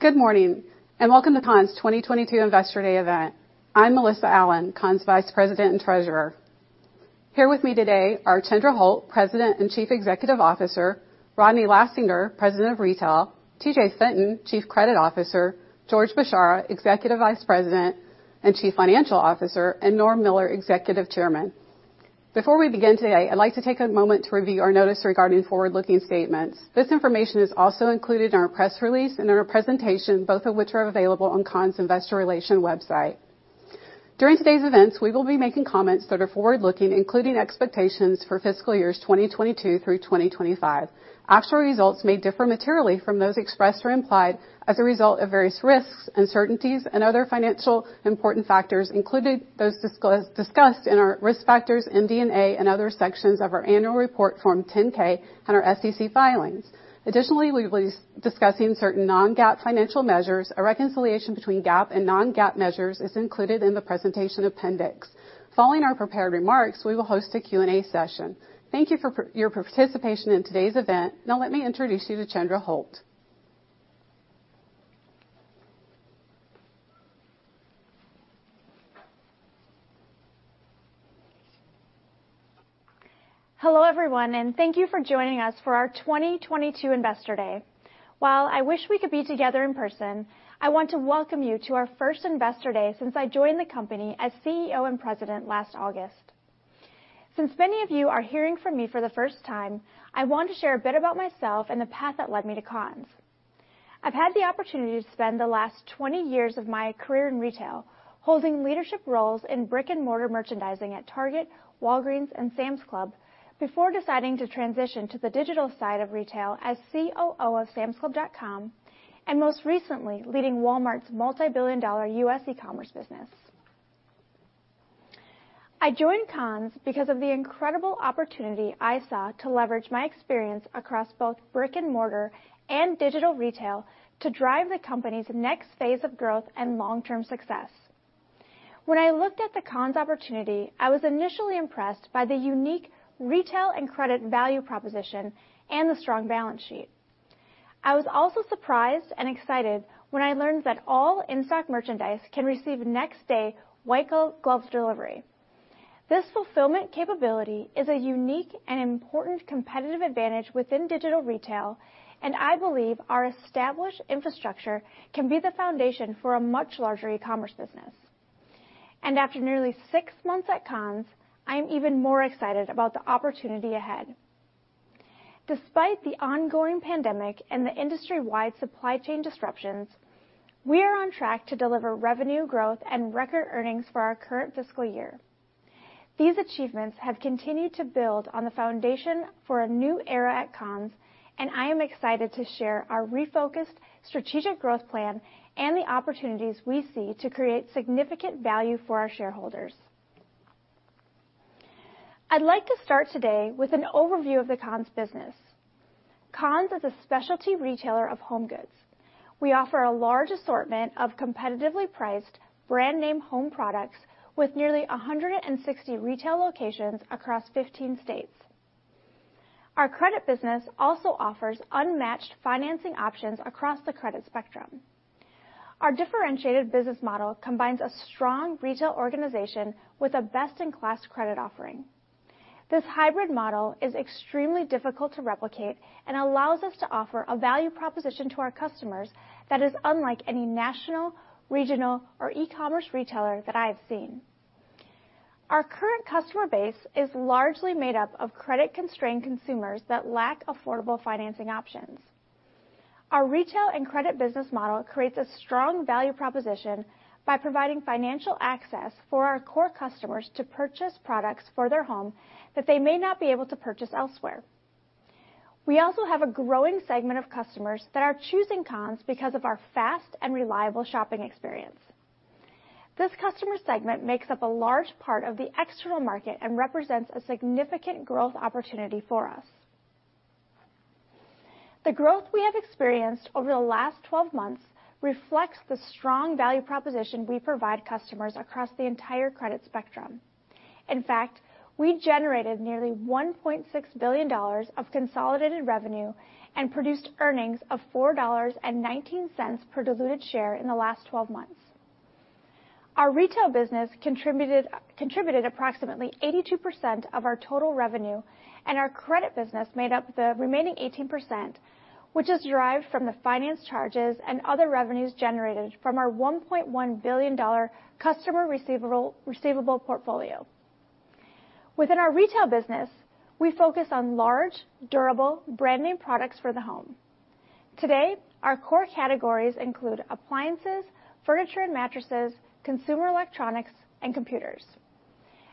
Good morning, and welcome to Conn's 2022 Investor Day event. I'm Melissa Allen, Conn's Vice President and Treasurer. Here with me today are Chandra Holt, President and Chief Executive Officer, Rodney Lastinger, President of Retail, TJ Fenton, Chief Credit Officer, George Bchara, Executive Vice President and Chief Financial Officer, and Norm Miller, Executive Chairman. Before we begin today, I'd like to take a moment to review our notice regarding forward-looking statements. This information is also included in our press release and in our presentation, both of which are available on Conn's investor relations website. During today's events, we will be making comments that are forward-looking, including expectations for fiscal years 2022 through 2025. Actual results may differ materially from those expressed or implied as a result of various risks, uncertainties, and other financially important factors, including those discussed in our risk factors, MD&A, and other sections of our annual report form 10-K on our SEC filings. Additionally, we'll be discussing certain non-GAAP financial measures. A reconciliation between GAAP and non-GAAP measures is included in the presentation appendix. Following our prepared remarks, we will host a Q&A session. Thank you for your participation in today's event. Now let me introduce you to Chandra Holt. Hello, everyone, and thank you for joining us for our 2022 Investor Day. While I wish we could be together in person, I want to welcome you to our first Investor Day since I joined the company as CEO and President last August. Since many of you are hearing from me for the first time, I want to share a bit about myself and the path that led me to Conn's. I've had the opportunity to spend the last 20 years of my career in retail, holding leadership roles in brick-and-mortar merchandising at Target, Walgreens, and Sam's Club before deciding to transition to the digital side of retail as COO of samsclub.com, and most recently, leading Walmart's multi-billion dollar U.S. e-commerce business. I joined Conn's because of the incredible opportunity I saw to leverage my experience across both brick-and-mortar and digital retail to drive the company's next phase of growth and long-term success. When I looked at the Conn's opportunity, I was initially impressed by the unique retail and credit value proposition and the strong balance sheet. I was also surprised and excited when I learned that all in-stock merchandise can receive next-day white glove delivery. This fulfillment capability is a unique and important competitive advantage within digital retail, and I believe our established infrastructure can be the foundation for a much larger e-commerce business. After nearly six months at Conn's, I am even more excited about the opportunity ahead. Despite the ongoing pandemic and the industry-wide supply chain disruptions, we are on track to deliver revenue growth and record earnings for our current fiscal year. These achievements have continued to build on the foundation for a new era at Conn's, and I am excited to share our refocused strategic growth plan and the opportunities we see to create significant value for our shareholders. I'd like to start today with an overview of the Conn's business. Conn's is a specialty retailer of home goods. We offer a large assortment of competitively priced brand-name home products with nearly 160 retail locations across 15 states. Our credit business also offers unmatched financing options across the credit spectrum. Our differentiated business model combines a strong retail organization with a best-in-class credit offering. This hybrid model is extremely difficult to replicate and allows us to offer a value proposition to our customers that is unlike any national, regional, or e-commerce retailer that I have seen. Our current customer base is largely made up of credit-constrained consumers that lack affordable financing options. Our retail and credit business model creates a strong value proposition by providing financial access for our core customers to purchase products for their home that they may not be able to purchase elsewhere. We also have a growing segment of customers that are choosing Conn's because of our fast and reliable shopping experience. This customer segment makes up a large part of the external market and represents a significant growth opportunity for us. The growth we have experienced over the last 12 months reflects the strong value proposition we provide customers across the entire credit spectrum. In fact, we generated nearly $1.6 billion of consolidated revenue and produced earnings of $4.19 per diluted share in the last twelve months. Our retail business contributed approximately 82% of our total revenue, and our credit business made up the remaining 18%, which is derived from the finance charges and other revenues generated from our $1.1 billion customer receivable portfolio. Within our retail business, we focus on large, durable, brand-name products for the home. Today, our core categories include appliances, furniture and mattresses, consumer electronics, and computers.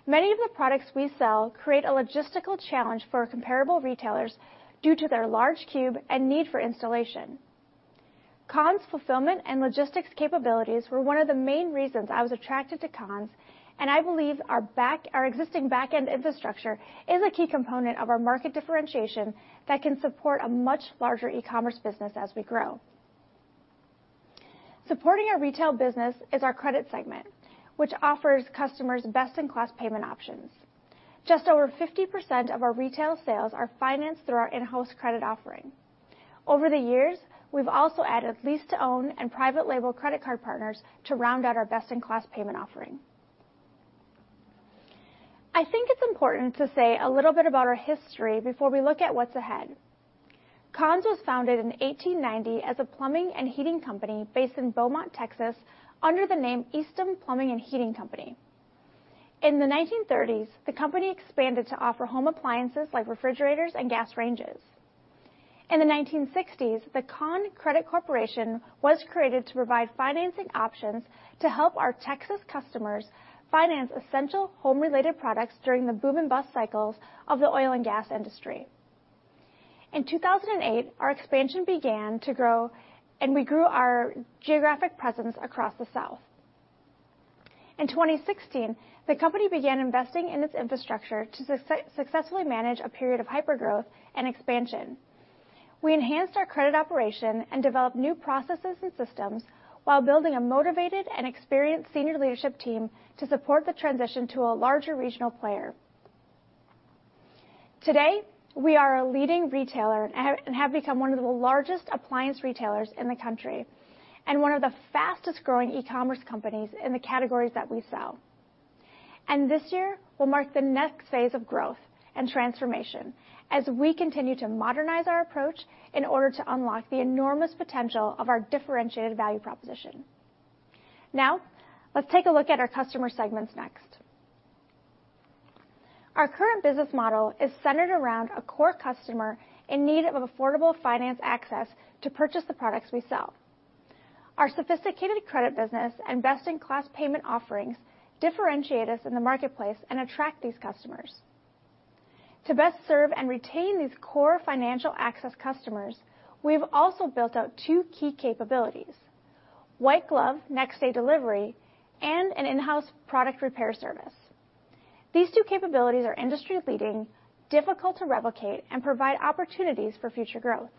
Many of the products we sell create a logistical challenge for our comparable retailers due to their large cube and need for installation. Conn's fulfillment and logistics capabilities were one of the main reasons I was attracted to Conn's, and I believe our existing back-end infrastructure is a key component of our market differentiation that can support a much larger e-commerce business as we grow. Supporting our retail business is our credit segment, which offers customers best-in-class payment options. Just over 50% of our retail sales are financed through our in-house credit offering. Over the years, we've also added lease-to-own and private label credit card partners to round out our best-in-class payment offering. I think it's important to say a little bit about our history before we look at what's ahead. Conn's was founded in 1890 as a plumbing and heating company based in Beaumont, Texas, under the name Eastham Plumbing and Heating Company. In the 1930s, the company expanded to offer home appliances like refrigerators and gas ranges. In the 1960s, the Conn Credit Corporation was created to provide financing options to help our Texas customers finance essential home-related products during the boom and bust cycles of the oil and gas industry. In 2008, our expansion began to grow, and we grew our geographic presence across the South. In 2016, the company began investing in its infrastructure to successfully manage a period of hypergrowth and expansion. We enhanced our credit operation and developed new processes and systems while building a motivated and experienced senior leadership team to support the transition to a larger regional player. Today, we are a leading retailer and have become one of the largest appliance retailers in the country and one of the fastest-growing e-commerce companies in the categories that we sell. This year will mark the next phase of growth and transformation as we continue to modernize our approach in order to unlock the enormous potential of our differentiated value proposition. Now, let's take a look at our customer segments next. Our current business model is centered around a core customer in need of affordable finance access to purchase the products we sell. Our sophisticated credit business and best-in-class payment offerings differentiate us in the marketplace and attract these customers. To best serve and retain these core financial access customers, we've also built out two key capabilities, white glove next day delivery and an in-house product repair service. These two capabilities are industry-leading, difficult to replicate, and provide opportunities for future growth.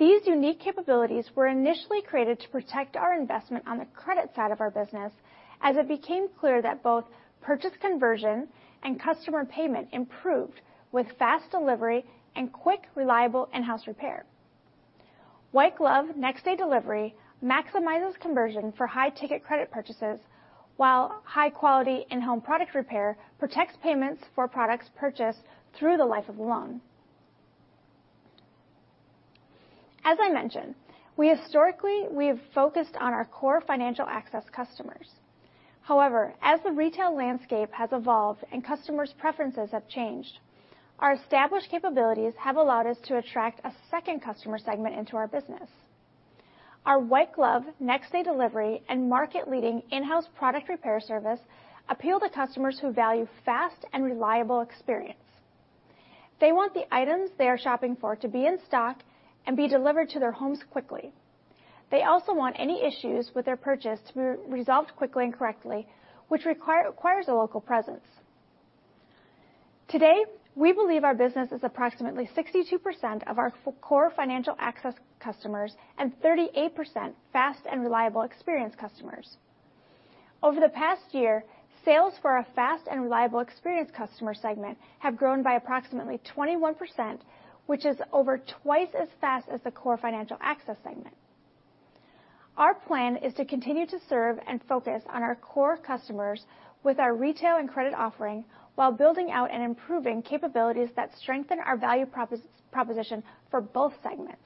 These unique capabilities were initially created to protect our investment on the credit side of our business as it became clear that both purchase conversion and customer payment improved with fast delivery and quick, reliable in-house repair. White glove next day delivery maximizes conversion for high ticket credit purchases, while high quality in-home product repair protects payments for products purchased through the life of the loan. As I mentioned, we historically have focused on our core financial access customers. However, as the retail landscape has evolved and customers' preferences have changed, our established capabilities have allowed us to attract a second customer segment into our business. Our white glove next day delivery and market-leading in-house product repair service appeal to customers who value fast and reliable experience. They want the items they are shopping for to be in stock and be delivered to their homes quickly. They also want any issues with their purchase to be resolved quickly and correctly, which requires a local presence. Today, we believe our business is approximately 62% of our core financial access customers and 38% fast and reliable experience customers. Over the past year, sales for our fast and reliable experience customer segment have grown by approximately 21%, which is over twice as fast as the core financial access segment. Our plan is to continue to serve and focus on our core customers with our retail and credit offering while building out and improving capabilities that strengthen our value proposition for both segments.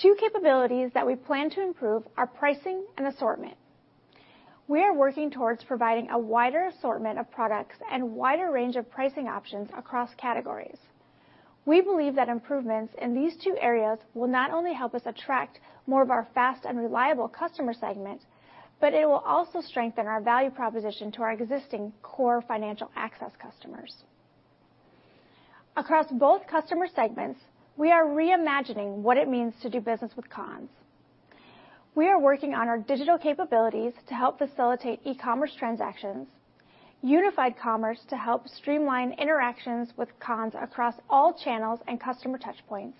Two capabilities that we plan to improve are pricing and assortment. We are working towards providing a wider assortment of products and wider range of pricing options across categories. We believe that improvements in these two areas will not only help us attract more of our fast and reliable customer segment, but it will also strengthen our value proposition to our existing core financial access customers. Across both customer segments, we are reimagining what it means to do business with Conn's. We are working on our digital capabilities to help facilitate e-commerce transactions, unified commerce to help streamline interactions with Conn's across all channels and customer touch points,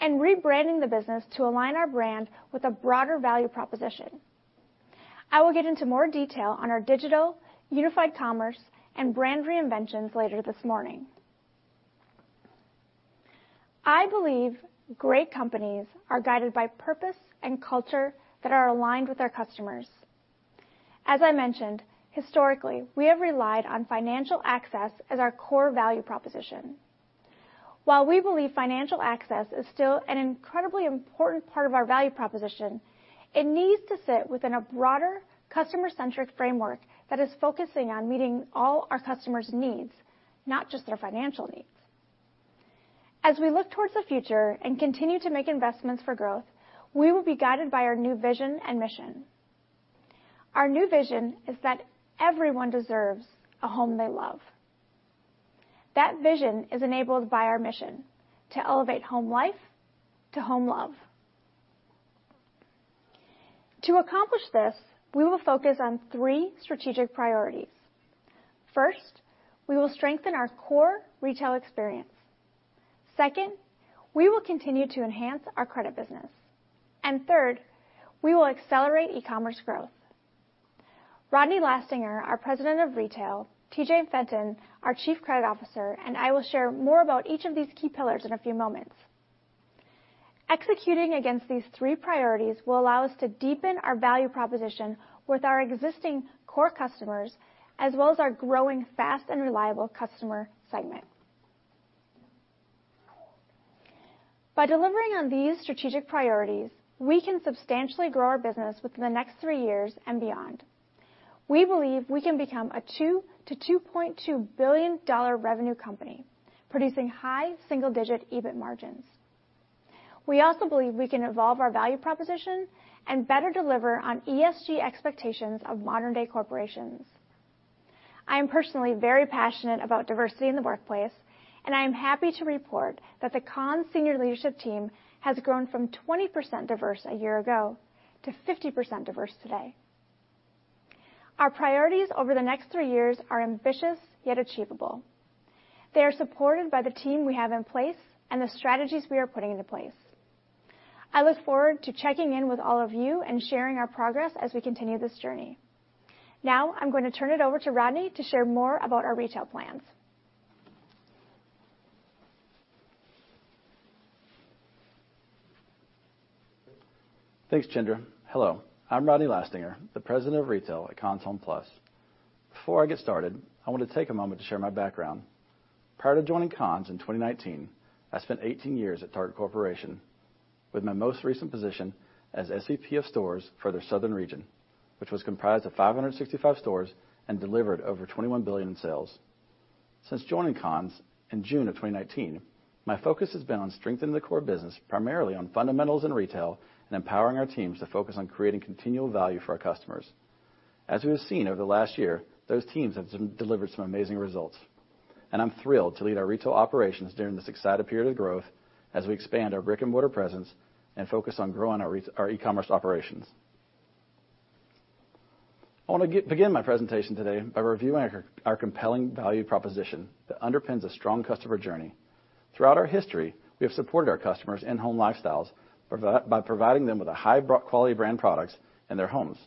and rebranding the business to align our brand with a broader value proposition. I will get into more detail on our digital, unified commerce, and brand reinventions later this morning. I believe great companies are guided by purpose and culture that are aligned with our customers. As I mentioned, historically, we have relied on financial access as our core value proposition. While we believe financial access is still an incredibly important part of our value proposition, it needs to sit within a broader customer-centric framework that is focusing on meeting all our customers' needs, not just their financial needs. As we look towards the future and continue to make investments for growth, we will be guided by our new vision and mission. Our new vision is that everyone deserves a home they love. That vision is enabled by our mission to elevate home life to home love. To accomplish this, we will focus on three strategic priorities. First, we will strengthen our core retail experience. Second, we will continue to enhance our credit business. Third, we will accelerate e-commerce growth. Rodney Lastinger, our President of Retail, TJ Fenton, our Chief Credit Officer, and I will share more about each of these key pillars in a few moments. Executing against these three priorities will allow us to deepen our value proposition with our existing core customers, as well as our growing fast and reliable customer segment. By delivering on these strategic priorities, we can substantially grow our business within the next three years and beyond. We believe we can become a $2-$2.2 billion revenue company producing high single-digit EBIT margins. We also believe we can evolve our value proposition and better deliver on ESG expectations of modern-day corporations. I am personally very passionate about diversity in the workplace, and I am happy to report that the Conn's senior leadership team has grown from 20% diverse a year ago to 50% diverse today. Our priorities over the next three years are ambitious yet achievable. They are supported by the team we have in place and the strategies we are putting into place. I look forward to checking in with all of you and sharing our progress as we continue this journey. Now, I'm going to turn it over to Rodney to share more about our retail plans. Thanks, Chandra. Hello, I'm Rodney Lastinger, the President of Retail at Conn's HomePlus. Before I get started, I want to take a moment to share my background. Prior to joining Conn's in 2019, I spent 18 years at Target Corporation with my most recent position as SVP of stores for their southern region, which was comprised of 565 stores and delivered over $21 billion in sales. Since joining Conn's in June 2019, my focus has been on strengthening the core business, primarily on fundamentals in retail and empowering our teams to focus on creating continual value for our customers. As we have seen over the last year, those teams have delivered some amazing results, and I'm thrilled to lead our retail operations during this exciting period of growth as we expand our brick-and-mortar presence and focus on growing our e-commerce operations. I want to begin my presentation today by reviewing our compelling value proposition that underpins a strong customer journey. Throughout our history, we have supported our customers and home lifestyles by providing them with high-quality brand products in their homes.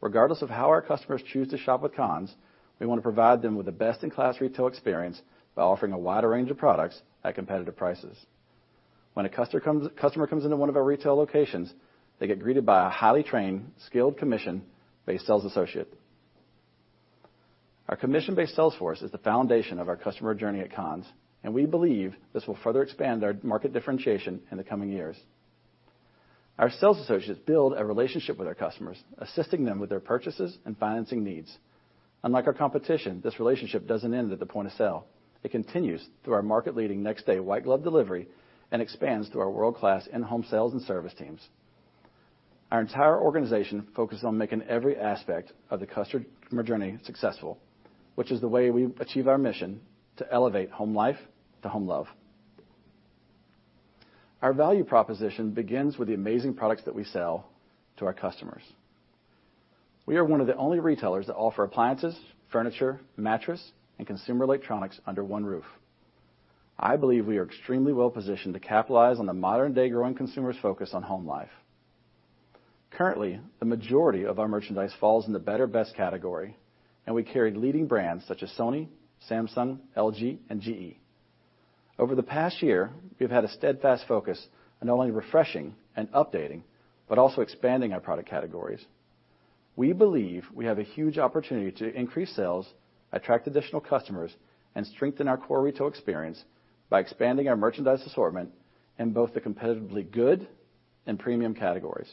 Regardless of how our customers choose to shop with Conn's, we want to provide them with the best-in-class retail experience by offering a wider range of products at competitive prices. When a customer comes into one of our retail locations, they get greeted by a highly trained, skilled, commission-based sales associate. Our commission-based sales force is the foundation of our customer journey at Conn's, and we believe this will further expand our market differentiation in the coming years. Our sales associates build a relationship with our customers, assisting them with their purchases and financing needs. Unlike our competition, this relationship doesn't end at the point of sale. It continues through our market-leading next-day white glove delivery and expands through our world-class in-home sales and service teams. Our entire organization focuses on making every aspect of the customer journey successful, which is the way we achieve our mission to elevate home life to home love. Our value proposition begins with the amazing products that we sell to our customers. We are one of the only retailers that offer appliances, furniture, mattress, and consumer electronics under one roof. I believe we are extremely well-positioned to capitalize on the modern-day growing consumer's focus on home life. Currently, the majority of our merchandise falls in the better-best category, and we carry leading brands such as Sony, Samsung, LG, and GE. Over the past year, we've had a steadfast focus on not only refreshing and updating, but also expanding our product categories. We believe we have a huge opportunity to increase sales, attract additional customers, and strengthen our core retail experience by expanding our merchandise assortment in both the competitively good and premium categories.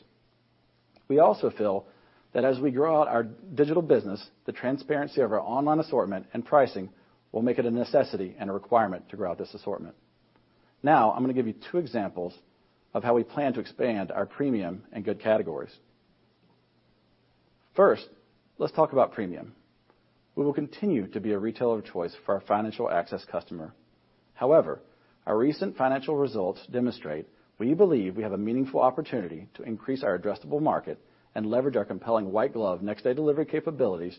We also feel that as we grow our digital business, the transparency of our online assortment and pricing will make it a necessity and a requirement to grow this assortment. Now, I'm going to give you two examples of how we plan to expand our premium and good categories. First, let's talk about premium. We will continue to be a retailer of choice for our financial access customer. However, our recent financial results demonstrate we believe we have a meaningful opportunity to increase our addressable market and leverage our compelling white glove next day delivery capabilities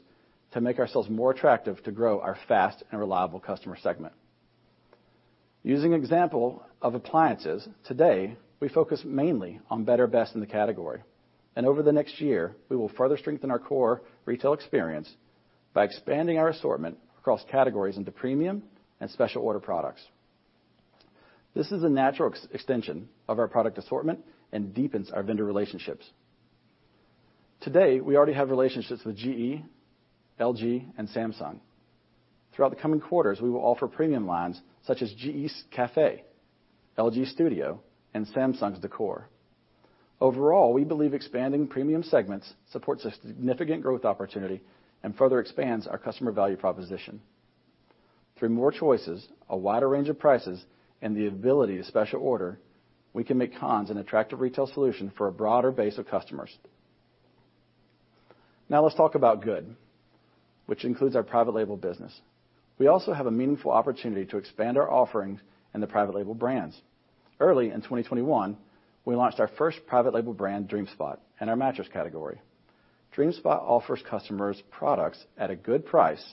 to make ourselves more attractive to grow our fast and reliable customer segment. Using example of appliances, today, we focus mainly on better best in the category, and over the next year, we will further strengthen our core retail experience by expanding our assortment across categories into premium and special order products. This is a natural extension of our product assortment and deepens our vendor relationships. Today, we already have relationships with GE, LG, and Samsung. Throughout the coming quarters, we will offer premium lines such as GE's Café, LG Studio, and Samsung's Bespoke. Overall, we believe expanding premium segments supports a significant growth opportunity and further expands our customer value proposition. Through more choices, a wider range of prices, and the ability to special order, we can make Conn's an attractive retail solution for a broader base of customers. Now let's talk about good, which includes our private label business. We also have a meaningful opportunity to expand our offerings in the private label brands. Early in 2021, we launched our first private label brand, DreamSpot, in our mattress category. DreamSpot offers customers products at a good price,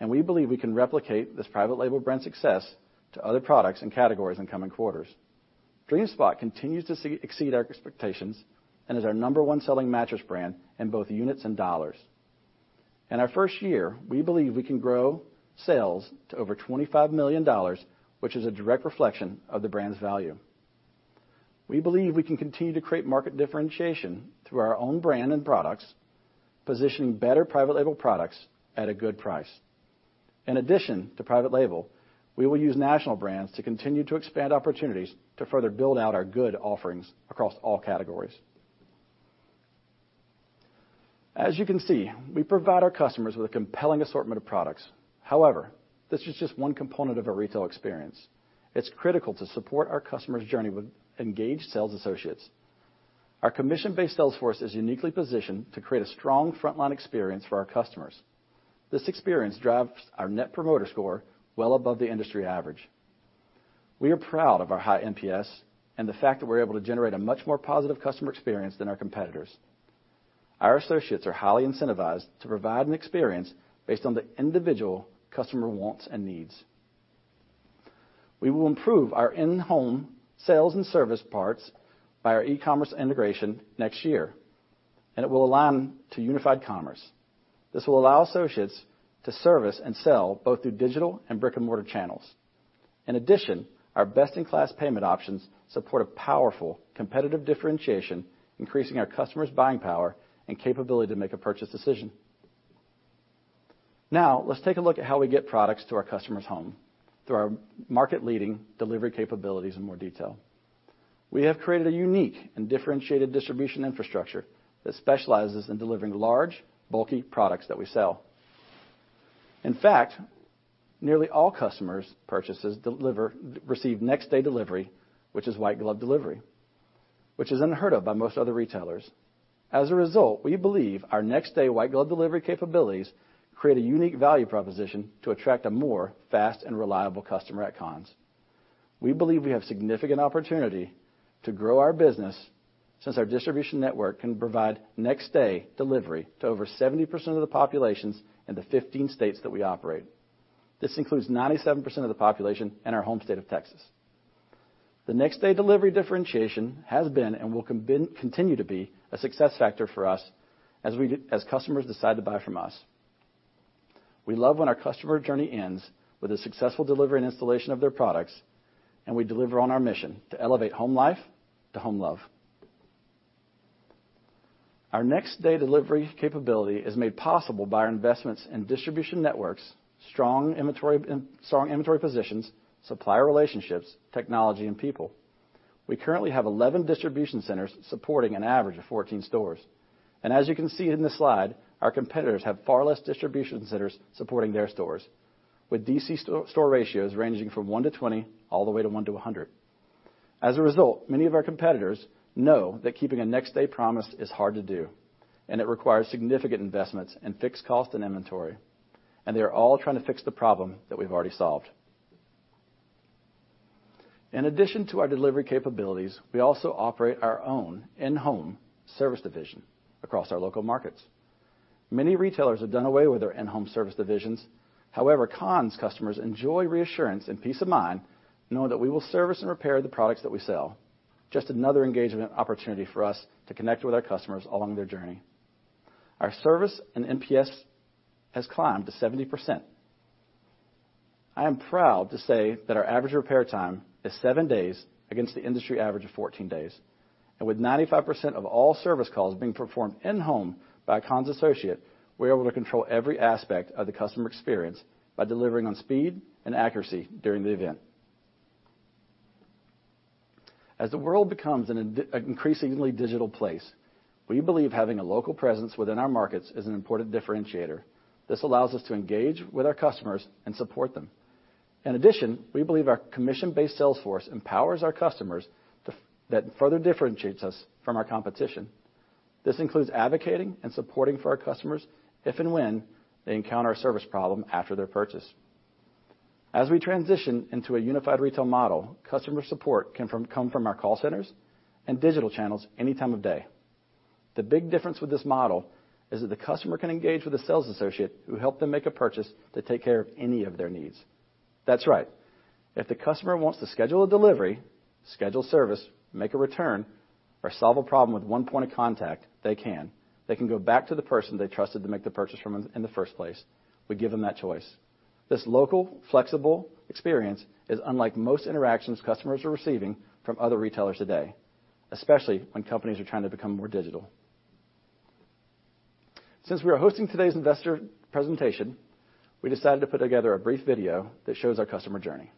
and we believe we can replicate this private label brand success to other products and categories in coming quarters. DreamSpot continues to exceed our expectations and is our number one selling mattress brand in both units and dollars. In our first year, we believe we can grow sales to over $25 million, which is a direct reflection of the brand's value. We believe we can continue to create market differentiation through our own brand and products, positioning better private label products at a good price. In addition to private label, we will use national brands to continue to expand opportunities to further build out our good offerings across all categories. As you can see, we provide our customers with a compelling assortment of products. However, this is just one component of a retail experience. It's critical to support our customers' journey with engaged sales associates. Our commission-based sales force is uniquely positioned to create a strong frontline experience for our customers. This experience drives our net promoter score well above the industry average. We are proud of our high NPS and the fact that we're able to generate a much more positive customer experience than our competitors. Our associates are highly incentivized to provide an experience based on the individual customer wants and needs. We will improve our in-home sales and service parts by our e-commerce integration next year, and it will align to unified commerce. This will allow associates to service and sell both through digital and brick-and-mortar channels. In addition, our best-in-class payment options support a powerful competitive differentiation, increasing our customers' buying power and capability to make a purchase decision. Now, let's take a look at how we get products to our customer's home through our market-leading delivery capabilities in more detail. We have created a unique and differentiated distribution infrastructure that specializes in delivering large, bulky products that we sell. In fact, nearly all customers' purchases receive next-day delivery, which is white glove delivery, which is unheard of by most other retailers. As a result, we believe our next-day white glove delivery capabilities create a unique value proposition to attract a more fast and reliable customer at Conn's. We believe we have significant opportunity to grow our business since our distribution network can provide next-day delivery to over 70% of the populations in the 15 states that we operate. This includes 97% of the population in our home state of Texas. The next-day delivery differentiation has been and will continue to be a success factor for us as customers decide to buy from us. We love when our customer journey ends with a successful delivery and installation of their products, and we deliver on our mission to elevate home life to home love. Our next-day delivery capability is made possible by our investments in distribution networks, strong inventory positions, supplier relationships, technology, and people. We currently have 11 distribution centers supporting an average of 14 stores. As you can see in this slide, our competitors have far less distribution centers supporting their stores, with DC-to-store ratios ranging from one to 20 all the way to one to 100. As a result, many of our competitors know that keeping a next-day promise is hard to do, and it requires significant investments in fixed cost and inventory, and they are all trying to fix the problem that we've already solved. In addition to our delivery capabilities, we also operate our own in-home service division across our local markets. Many retailers have done away with their in-home service divisions. However, Conn's customers enjoy reassurance and peace of mind knowing that we will service and repair the products that we sell. Just another engagement opportunity for us to connect with our customers along their journey. Our service and NPS has climbed to 70%. I am proud to say that our average repair time is seven days against the industry average of 14 days. With 95% of all service calls being performed in-home by a Conn's associate, we're able to control every aspect of the customer experience by delivering on speed and accuracy during the event. As the world becomes an increasingly digital place, we believe having a local presence within our markets is an important differentiator. This allows us to engage with our customers and support them. In addition, we believe our commission-based sales force empowers our customers to that further differentiates us from our competition. This includes advocating and supporting for our customers if and when they encounter a service problem after their purchase. As we transition into a unified retail model, customer support can come from our call centers and digital channels any time of day. The big difference with this model is that the customer can engage with a sales associate who helped them make a purchase to take care of any of their needs. That's right. If the customer wants to schedule a delivery, schedule service, make a return, or solve a problem with one point of contact, they can. They can go back to the person they trusted to make the purchase from in the first place. We give them that choice. This local, flexible experience is unlike most interactions customers are receiving from other retailers today, especially when companies are trying to become more digital. Since we are hosting today's investor presentation, we decided to put together a brief video that shows our customer journey.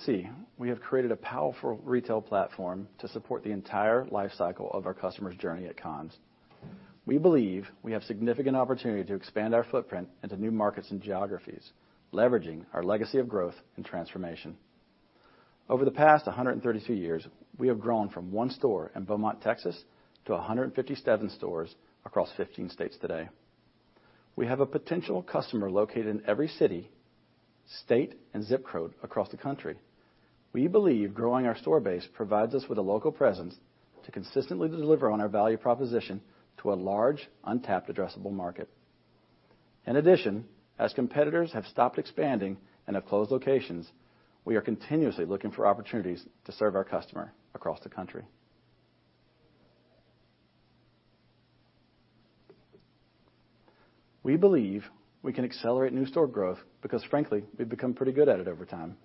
As you can see, we have created a powerful retail platform to support the entire life cycle of our customer's journey at Conn's. We believe we have significant opportunity to expand our footprint into new markets and geographies, leveraging our legacy of growth and transformation. Over the past 132 years, we have grown from one store in Beaumont, Texas, to 157 stores across 15 states today. We have a potential customer located in every city, state, and ZIP code across the country. We believe growing our store base provides us with a local presence to consistently deliver on our value proposition to a large, untapped addressable market. In addition, as competitors have stopped expanding and have closed locations, we are continuously looking for opportunities to serve our customer across the country. We believe we can accelerate new store growth because frankly, we've become pretty good at it over time.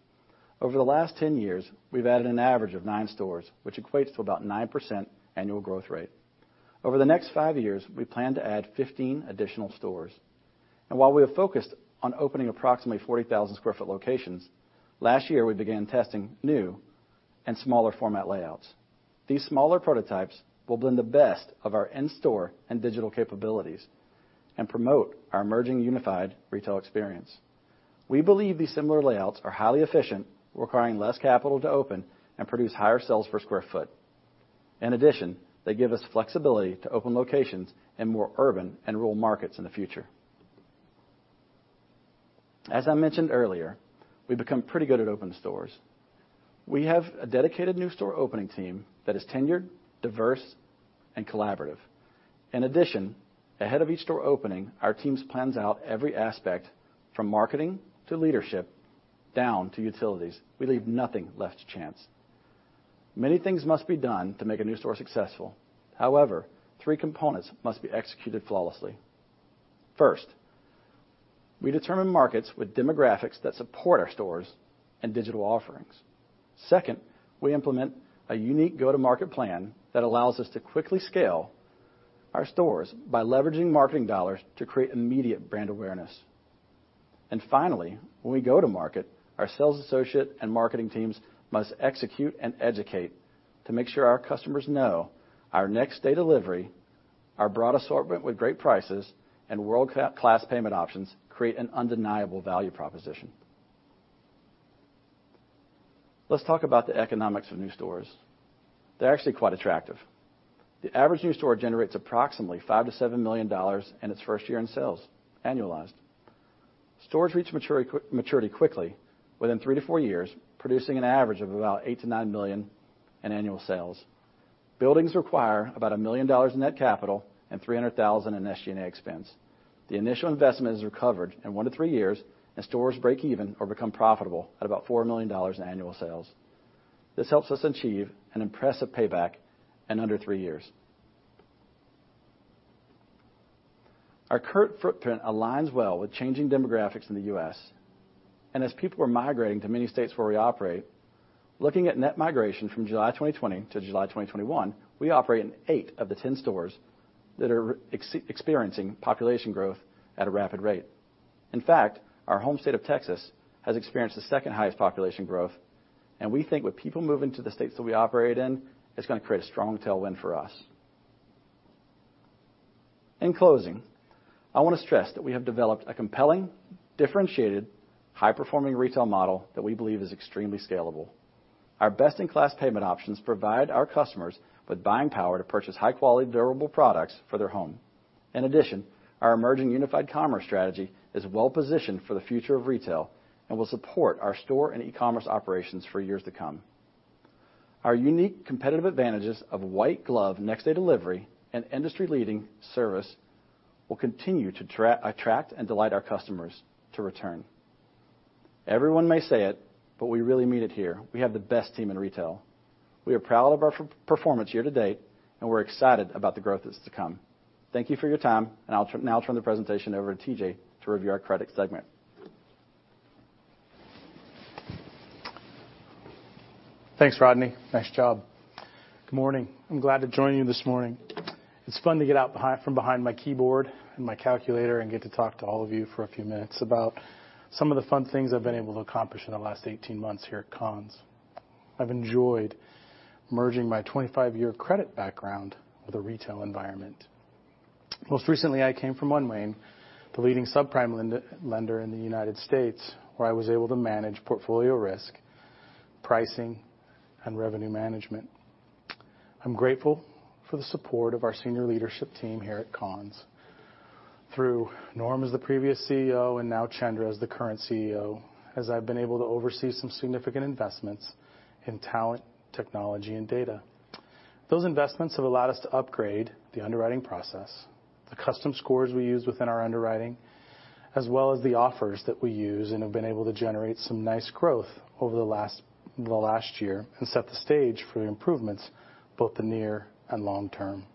Over the last 10 years, we've added an average of 9 stores, which equates to about 9% annual growth rate. Over the next five years, we plan to add 15 additional stores. While we have focused on opening approximately 40,000 sq ft locations, last year, we began testing new and smaller format layouts. These smaller prototypes will blend the best of our in-store and digital capabilities and promote our emerging unified retail experience. We believe these similar layouts are highly efficient, requiring less capital to open and produce higher sales per square foot. In addition, they give us flexibility to open locations in more urban and rural markets in the future. As I mentioned earlier, we've become pretty good at opening stores. We have a dedicated new store opening team that is tenured, diverse, and collaborative. In addition, ahead of each store opening, our teams plans out every aspect from marketing to leadership, down to utilities. We leave nothing left to chance. Many things must be done to make a new store successful. However, three components must be executed flawlessly. First, we determine markets with demographics that support our stores and digital offerings. Second, we implement a unique go-to-market plan that allows us to quickly scale our stores by leveraging marketing dollars to create immediate brand awareness. Finally, when we go to market, our sales associate and marketing teams must execute and educate to make sure our customers know our next day delivery, our broad assortment with great prices, and world-class payment options create an undeniable value proposition. Let's talk about the economics of new stores. They're actually quite attractive. The average new store generates approximately $5-$7 million in its first year in sales, annualized. Stores reach maturity quickly within three to four years, producing an average of about $8-$9 million in annual sales. Buildings require about $1 million in net capital and $300,000 in SG&A expense. The initial investment is recovered in one to three years, and stores break even or become profitable at about $4 million in annual sales. This helps us achieve an impressive payback in under three years. Our current footprint aligns well with changing demographics in the U.S. As people are migrating to many states where we operate, looking at net migration from July 2020 to July 2021, we operate in eight of the 10 stores that are experiencing population growth at a rapid rate. In fact, our home state of Texas has experienced the second-highest population growth, and we think with people moving to the states that we operate in, it's gonna create a strong tailwind for us. In closing, I wanna stress that we have developed a compelling, differentiated, high-performing retail model that we believe is extremely scalable. Our best-in-class payment options provide our customers with buying power to purchase high-quality, durable products for their home. In addition, our emerging unified commerce strategy is well-positioned for the future of retail and will support our store and e-commerce operations for years to come. Our unique competitive advantages of white glove next-day delivery and industry-leading service will continue to attract and delight our customers to return. Everyone may say it, but we really mean it here. We have the best team in retail. We are proud of our performance year-to-date, and we're excited about the growth that's to come. Thank you for your time, and I'll now turn the presentation over to TJ to review our credit segment. Thanks, Rodney. Nice job. Good morning. I'm glad to join you this morning. It's fun to get out from behind my keyboard and my calculator and get to talk to all of you for a few minutes about some of the fun things I've been able to accomplish in the last 18 months here at Conn's. I've enjoyed merging my 25-year credit background with the retail environment. Most recently, I came from OneMain, the leading subprime lender in the United States, where I was able to manage portfolio risk, pricing, and revenue management. I'm grateful for the support of our senior leadership team here at Conn's through Norm as the previous CEO and now Chandra as the current CEO, as I've been able to oversee some significant investments in talent, technology, and data. Those investments have allowed us to upgrade the underwriting process, the custom scores we use within our underwriting, as well as the offers that we use and have been able to generate some nice growth over the last year and set the stage for improvements, both the near and long-term.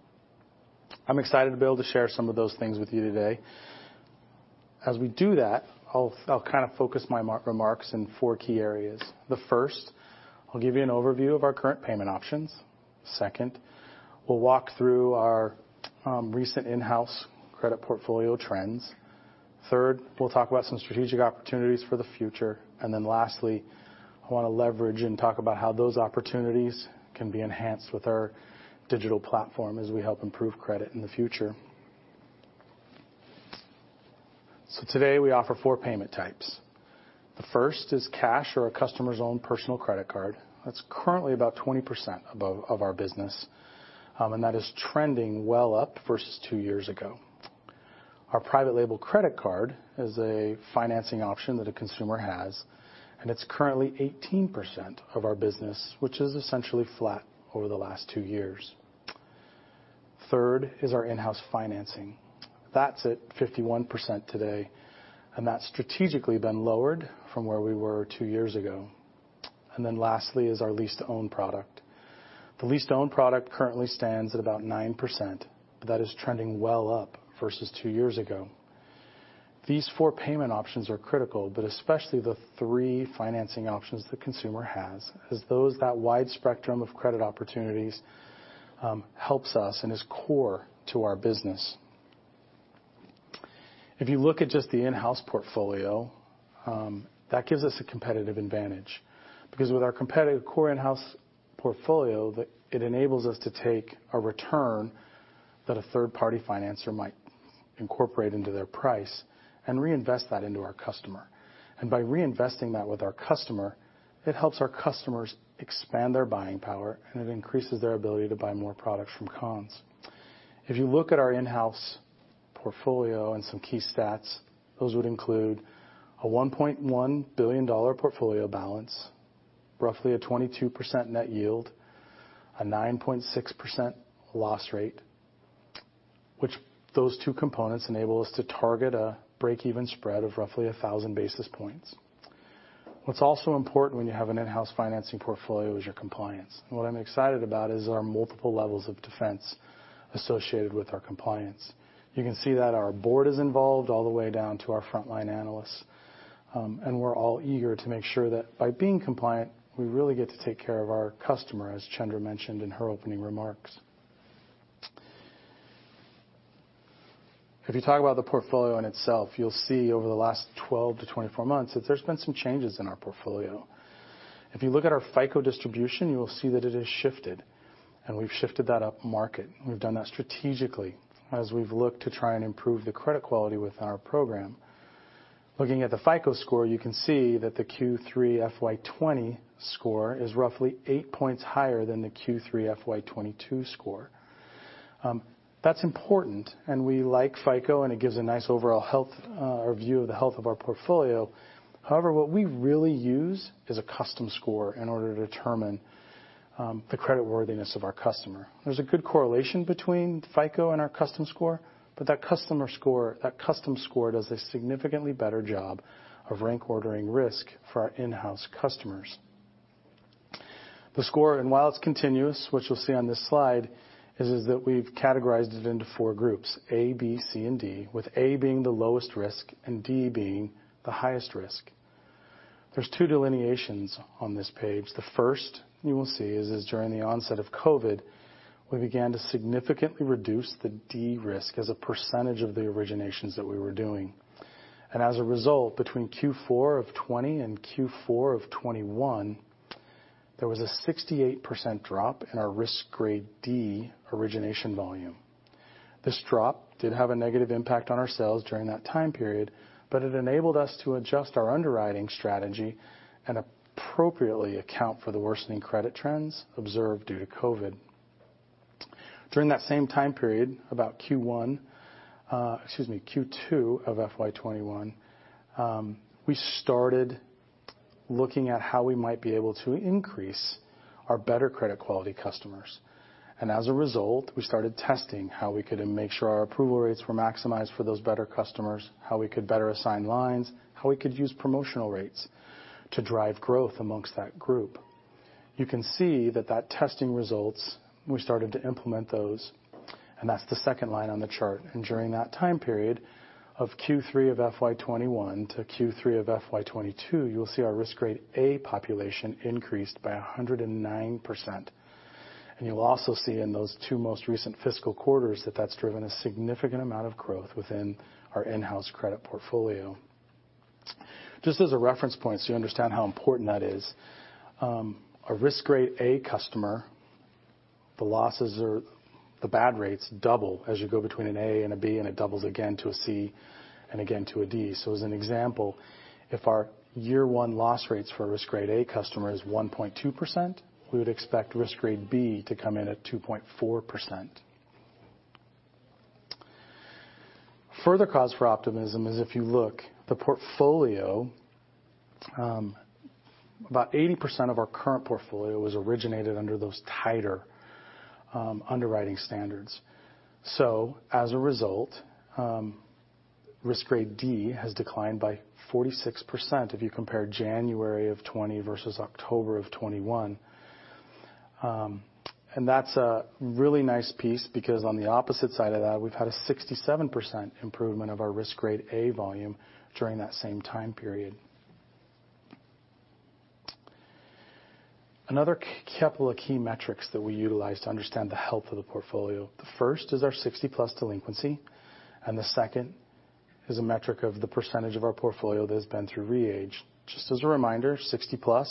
I'm excited to be able to share some of those things with you today. As we do that, I'll kind of focus my remarks in four key areas. The first, I'll give you an overview of our current payment options. Second, we'll walk through our recent in-house credit portfolio trends. Third, we'll talk about some strategic opportunities for the future. Lastly, I wanna leverage and talk about how those opportunities can be enhanced with our digital platform as we help improve credit in the future. Today, we offer four payment types. The first is cash or a customer's own personal credit card. That's currently about 20% of our business, and that is trending well up versus two years ago. Our private label credit card is a financing option that a consumer has, and it's currently 18% of our business, which is essentially flat over the last two years. Third is our in-house financing. That's at 51% today, and that's strategically been lowered from where we were two years ago. Then lastly is our lease-to-own product. The lease-to-own product currently stands at about 9%, but that is trending well up versus two years ago. These four payment options are critical, but especially the three financing options the consumer has, as those that wide spectrum of credit opportunities helps us and is core to our business. If you look at just the in-house portfolio, that gives us a competitive advantage because with our competitive core in-house portfolio, it enables us to take a return that a third-party financier might incorporate into their price and reinvest that into our customer. By reinvesting that with our customer, it helps our customers expand their buying power, and it increases their ability to buy more products from Conn's. If you look at our in-house portfolio and some key stats, those would include a $1.1 billion portfolio balance, roughly a 22% net yield, a 9.6% loss rate, which those two components enable us to target a break-even spread of roughly 1,000 basis points. What's also important when you have an in-house financing portfolio is your compliance. What I'm excited about is our multiple levels of defense associated with our compliance. You can see that our board is involved all the way down to our frontline analysts, and we're all eager to make sure that by being compliant, we really get to take care of our customer, as Chandra mentioned in her opening remarks. If you talk about the portfolio in itself, you'll see over the last 12-24 months that there's been some changes in our portfolio. If you look at our FICO distribution, you will see that it has shifted, and we've shifted that upmarket. We've done that strategically as we've looked to try and improve the credit quality within our program. Looking at the FICO score, you can see that the Q3 FY 2020 score is roughly eight points higher than the Q3 FY 2022 score. That's important, and we like FICO, and it gives a nice overall health or view of the health of our portfolio. However, what we really use is a custom score in order to determine the creditworthiness of our customer. There's a good correlation between FICO and our custom score, but that custom score does a significantly better job of rank ordering risk for our in-house customers. The score, while it's continuous, which you'll see on this slide, is that we've categorized it into four groups: A, B, C, and D, with A being the lowest risk and D being the highest risk. There's two delineations on this page. The first you will see is during the onset of COVID, we began to significantly reduce the D-risk as a percentage of the originations that we were doing. As a result, between Q4 of 2020 and Q4 of 2021, there was a 68% drop in our risk grade D origination volume. This drop did have a negative impact on our sales during that time period, but it enabled us to adjust our underwriting strategy and appropriately account for the worsening credit trends observed due to COVID. During that same time period, about Q1, Q2 of FY 2021, we started looking at how we might be able to increase our better credit quality customers. As a result, we started testing how we could make sure our approval rates were maximized for those better customers, how we could better assign lines, how we could use promotional rates to drive growth amongst that group. You can see that testing results, we started to implement those, and that's the second line on the chart. During that time period of Q3 of FY 2021 to Q3 of FY 2022, you'll see our risk grade A population increased by 109%. You'll also see in those two most recent fiscal quarters that that's driven a significant amount of growth within our in-house credit portfolio. Just as a reference point, so you understand how important that is, a risk grade A customer, the losses are the bad rates double as you go between an A and a B, and it doubles again to a C, and again to a D. As an example, if our year one loss rates for a risk grade A customer is 1.2%, we would expect risk grade B to come in at 2.4%. Further cause for optimism is if you look, the portfolio, about 80% of our current portfolio was originated under those tighter, underwriting standards. As a result, risk grade D has declined by 46% if you compare January 2020 versus October 2021. That's a really nice piece because on the opposite side of that, we've had a 67% improvement of our risk grade A volume during that same time period. Another couple of key metrics that we utilize to understand the health of the portfolio. The first is our 60+ delinquency, and the second is a metric of the percentage of our portfolio that has been through re-age. Just as a reminder, 60+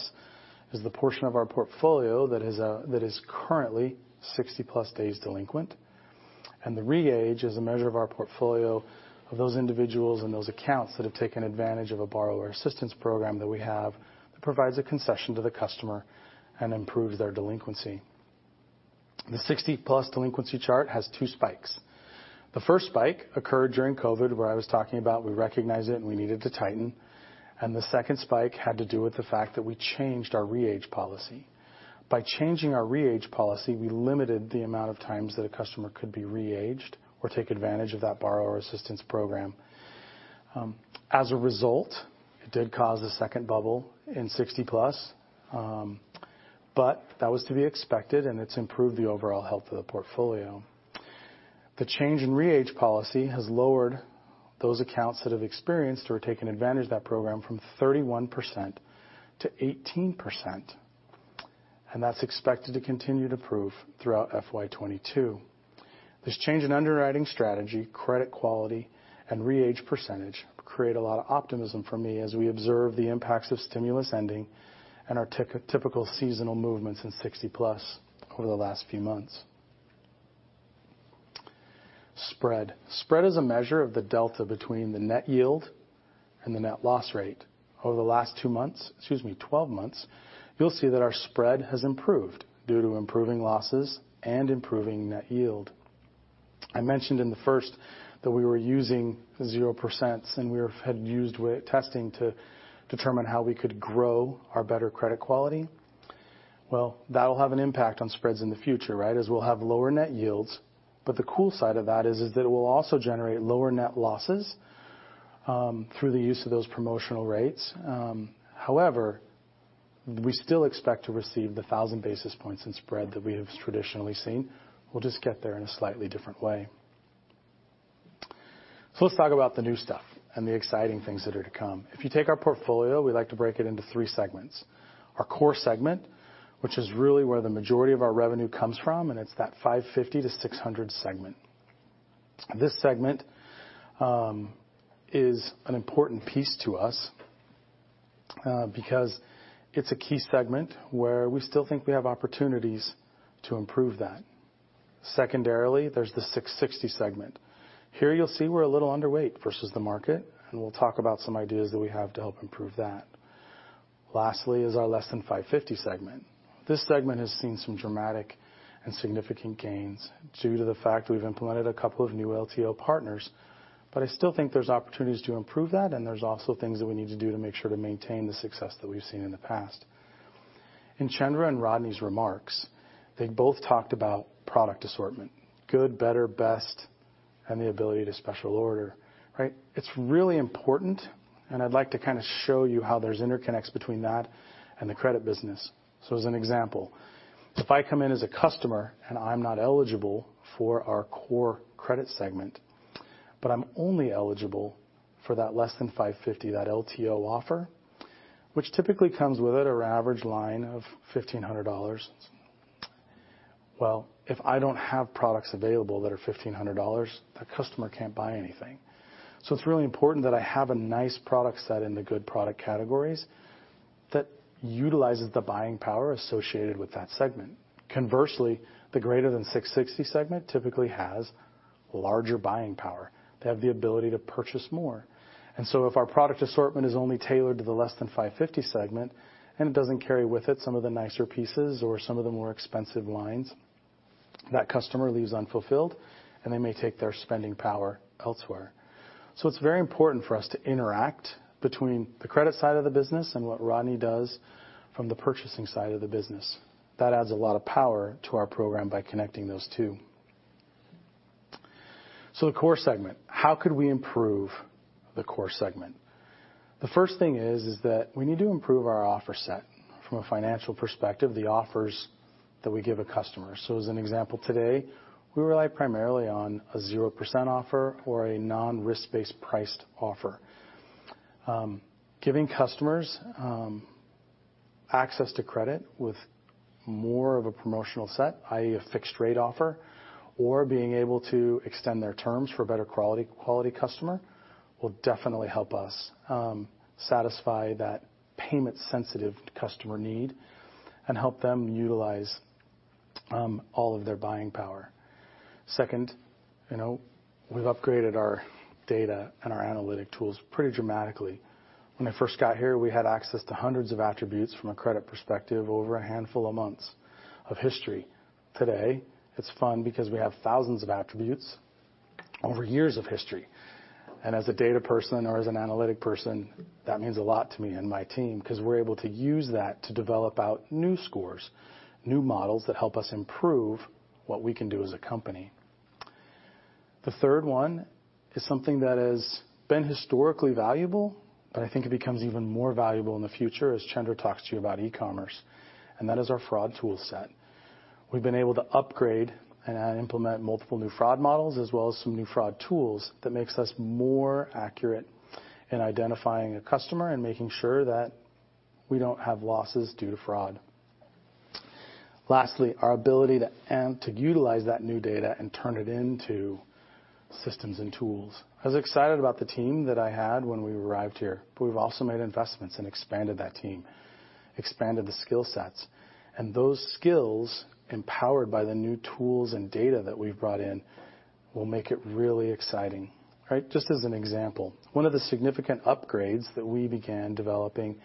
is the portion of our portfolio that is currently 60+ days delinquent. The re-age is a measure of our portfolio of those individuals and those accounts that have taken advantage of a borrower assistance program that we have that provides a concession to the customer and improves their delinquency. The 60-plus delinquency chart has two spikes. The first spike occurred during COVID, where I was talking about we recognized it and we needed to tighten. The second spike had to do with the fact that we changed our re-age policy. By changing our re-age policy, we limited the amount of times that a customer could be re-aged or take advantage of that borrower assistance program. As a result, it did cause a second bubble in 60-plus, but that was to be expected, and it's improved the overall health of the portfolio. The change in re-age policy has lowered those accounts that have experienced or taken advantage of that program from 31% to 18%, and that's expected to continue to improve throughout FY 2022. This change in underwriting strategy, credit quality, and re-age percentage create a lot of optimism for me as we observe the impacts of stimulus ending and our typical seasonal movements in 60+ over the last few months. Spread. Spread is a measure of the delta between the net yield and the net loss rate. Over the last two months, excuse me, 12 months, you'll see that our spread has improved due to improving losses and improving net yield. I mentioned in the first that we were using 0% and we have had used testing to determine how we could grow our better credit quality. Well, that'll have an impact on spreads in the future, right? As we'll have lower net yields, but the cool side of that is that it will also generate lower net losses through the use of those promotional rates. However, we still expect to receive 1,000 basis points in spread that we have traditionally seen. We'll just get there in a slightly different way. Let's talk about the new stuff and the exciting things that are to come. If you take our portfolio, we like to break it into three segments. Our core segment, which is really where the majority of our revenue comes from, and it's that 550-600 segment. This segment is an important piece to us because it's a key segment where we still think we have opportunities to improve that. Secondarily, there's the 660 segment. Here you'll see we're a little underweight versus the market, and we'll talk about some ideas that we have to help improve that. Lastly is our less than 550 segment. This segment has seen some dramatic and significant gains due to the fact we've implemented a couple of new LTO partners. I still think there's opportunities to improve that, and there's also things that we need to do to make sure to maintain the success that we've seen in the past. In Chandra and Rodney's remarks, they both talked about product assortment, good, better, best, and the ability to special order, right? It's really important, and I'd like to kind of show you how there's interconnects between that and the credit business. As an example, if I come in as a customer and I'm not eligible for our core credit segment, but I'm only eligible for that less than 550, that LTO offer, which typically comes with an average line of $1,500. Well, if I don't have products available that are $1,500, the customer can't buy anything. It's really important that I have a nice product set in the good product categories that utilizes the buying power associated with that segment. Conversely, the greater than 660 segment typically has larger buying power. They have the ability to purchase more. If our product assortment is only tailored to the less than $550 segment and it doesn't carry with it some of the nicer pieces or some of the more expensive lines, that customer leaves unfulfilled, and they may take their spending power elsewhere. It's very important for us to interact between the credit side of the business and what Rodney does from the purchasing side of the business. That adds a lot of power to our program by connecting those two. The core segment, how could we improve the core segment? The first thing is that we need to improve our offer set from a financial perspective, the offers that we give a customer. As an example, today, we rely primarily on a 0% offer or a non-risk-based priced offer. Giving customers access to credit with more of a promotional set, i.e., a fixed rate offer, or being able to extend their terms for a better quality customer will definitely help us satisfy that payment-sensitive customer need and help them utilize all of their buying power. Second, you know, we've upgraded our data and our analytic tools pretty dramatically. When I first got here, we had access to hundreds of attributes from a credit perspective over a handful of months of history. Today, it's fun because we have thousands of attributes over years of history. As a data person or as an analytic person, that means a lot to me and my team 'cause we're able to use that to develop out new scores, new models that help us improve what we can do as a company. The third one is something that has been historically valuable, but I think it becomes even more valuable in the future as Chandra talks to you about e-commerce, and that is our fraud tool set. We've been able to upgrade and implement multiple new fraud models as well as some new fraud tools that makes us more accurate in identifying a customer and making sure that we don't have losses due to fraud. Lastly, our ability to to utilize that new data and turn it into systems and tools. I was excited about the team that I had when we arrived here, but we've also made investments and expanded that team, expanded the skill sets. Those skills, empowered by the new tools and data that we've brought in, will make it really exciting, right? Just as an example, one of the significant upgrades that we began developing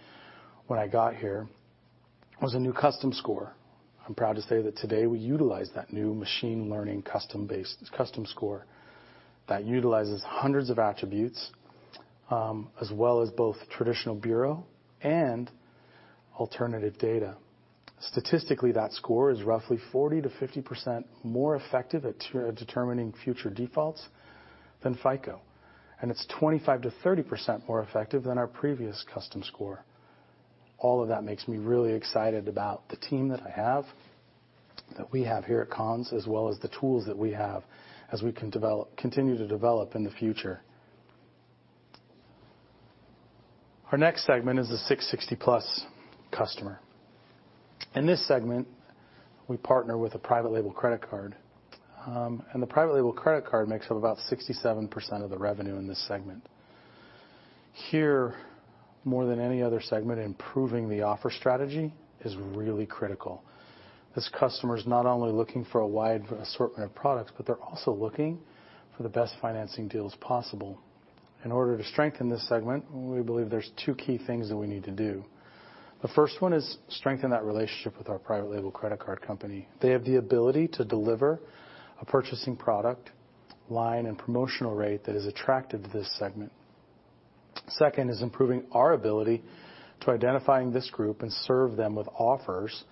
when I got here was a new custom score. I'm proud to say that today we utilize that new machine learning, custom score that utilizes hundreds of attributes, as well as both traditional bureau and alternative data. Statistically, that score is roughly 40%-50% more effective at determining future defaults than FICO, and it's 25%-30% more effective than our previous custom score. All of that makes me really excited about the team that we have here at Conn's, as well as the tools that we have as we continue to develop in the future. Our next segment is the 660+ customer. In this segment, we partner with a private label credit card, and the private label credit card makes up about 67% of the revenue in this segment. Here, more than any other segment, improving the offer strategy is really critical. This customer is not only looking for a wide assortment of products, but they're also looking for the best financing deals possible. In order to strengthen this segment, we believe there's two key things that we need to do. The first one is strengthen that relationship with our private label credit card company. They have the ability to deliver a purchasing product line and promotional rate that is attractive to this segment. Second is improving our ability to identifying this group and serve them with offers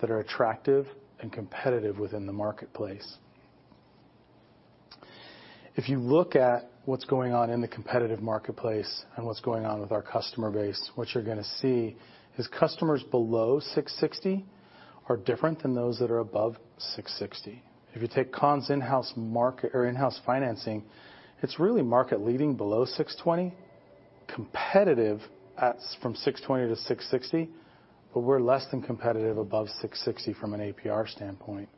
that are attractive and competitive within the marketplace. If you look at what's going on in the competitive marketplace and what's going on with our customer base, what you're gonna see is customers below 660 are different than those that are above 660. If you take Conn's in-house market or in-house financing, it's really market leading below 620, competitive from 620 to 660, but we're less than competitive above 660 from an APR standpoint.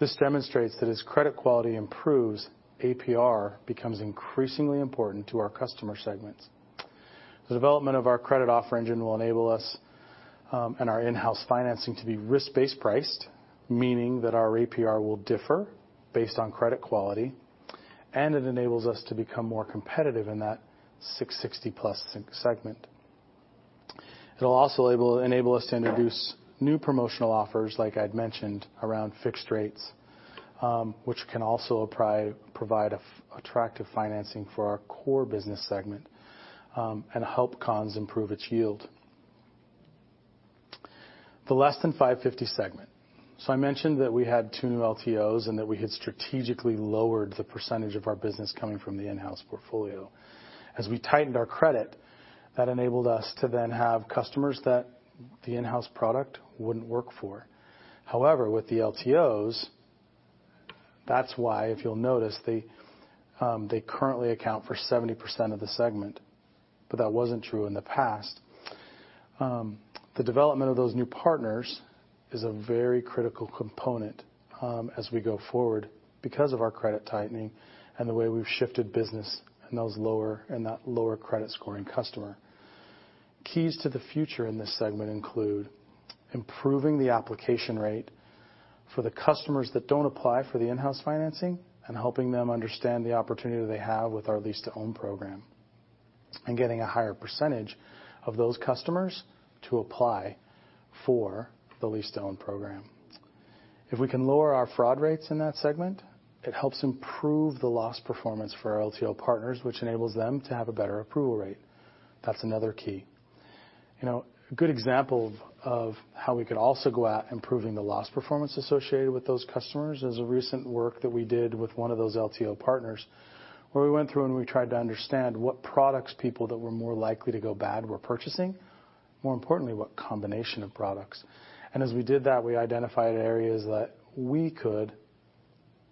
This demonstrates that as credit quality improves, APR becomes increasingly important to our customer segments. The development of our credit offer engine will enable us, and our in-house financing to be risk-based priced, meaning that our APR will differ based on credit quality, and it enables us to become more competitive in that 660+ segment. It'll also enable us to introduce new promotional offers, like I'd mentioned, around fixed rates, which can also provide attractive financing for our core business segment, and help Conn's improve its yield. The less than 550 segment. I mentioned that we had two new LTOs and that we had strategically lowered the percentage of our business coming from the in-house portfolio. As we tightened our credit, that enabled us to then have customers that the in-house product wouldn't work for. However, with the LTOs, that's why, if you'll notice, they currently account for 70% of the segment, but that wasn't true in the past. The development of those new partners is a very critical component, as we go forward because of our credit tightening and the way we've shifted business in that lower credit scoring customer. Keys to the future in this segment include improving the application rate for the customers that don't apply for the in-house financing and helping them understand the opportunity they have with our lease-to-own program and getting a higher percentage of those customers to apply for the lease-to-own program. If we can lower our fraud rates in that segment, it helps improve the loss performance for our LTO partners, which enables them to have a better approval rate. That's another key. You know, a good example of how we could also go at improving the loss performance associated with those customers is a recent work that we did with one of those LTO partners, where we went through and we tried to understand what products people that were more likely to go bad were purchasing, more importantly, what combination of products. As we did that, we identified areas that we could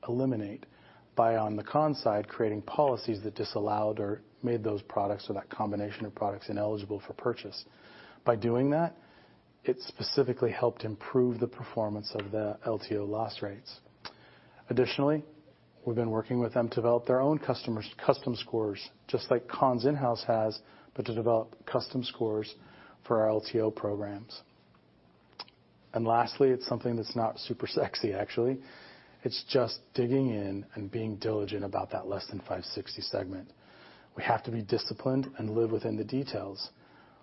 eliminate by, on the con side, creating policies that disallowed or made those products or that combination of products ineligible for purchase. By doing that, it specifically helped improve the performance of the LTO loss rates. Additionally, we've been working with them to develop their own custom scores, just like Conn's in-house has, but to develop custom scores for our LTO programs. Lastly, it's something that's not super sexy, actually. It's just digging in and being diligent about that less than 560 segment. We have to be disciplined and live within the details.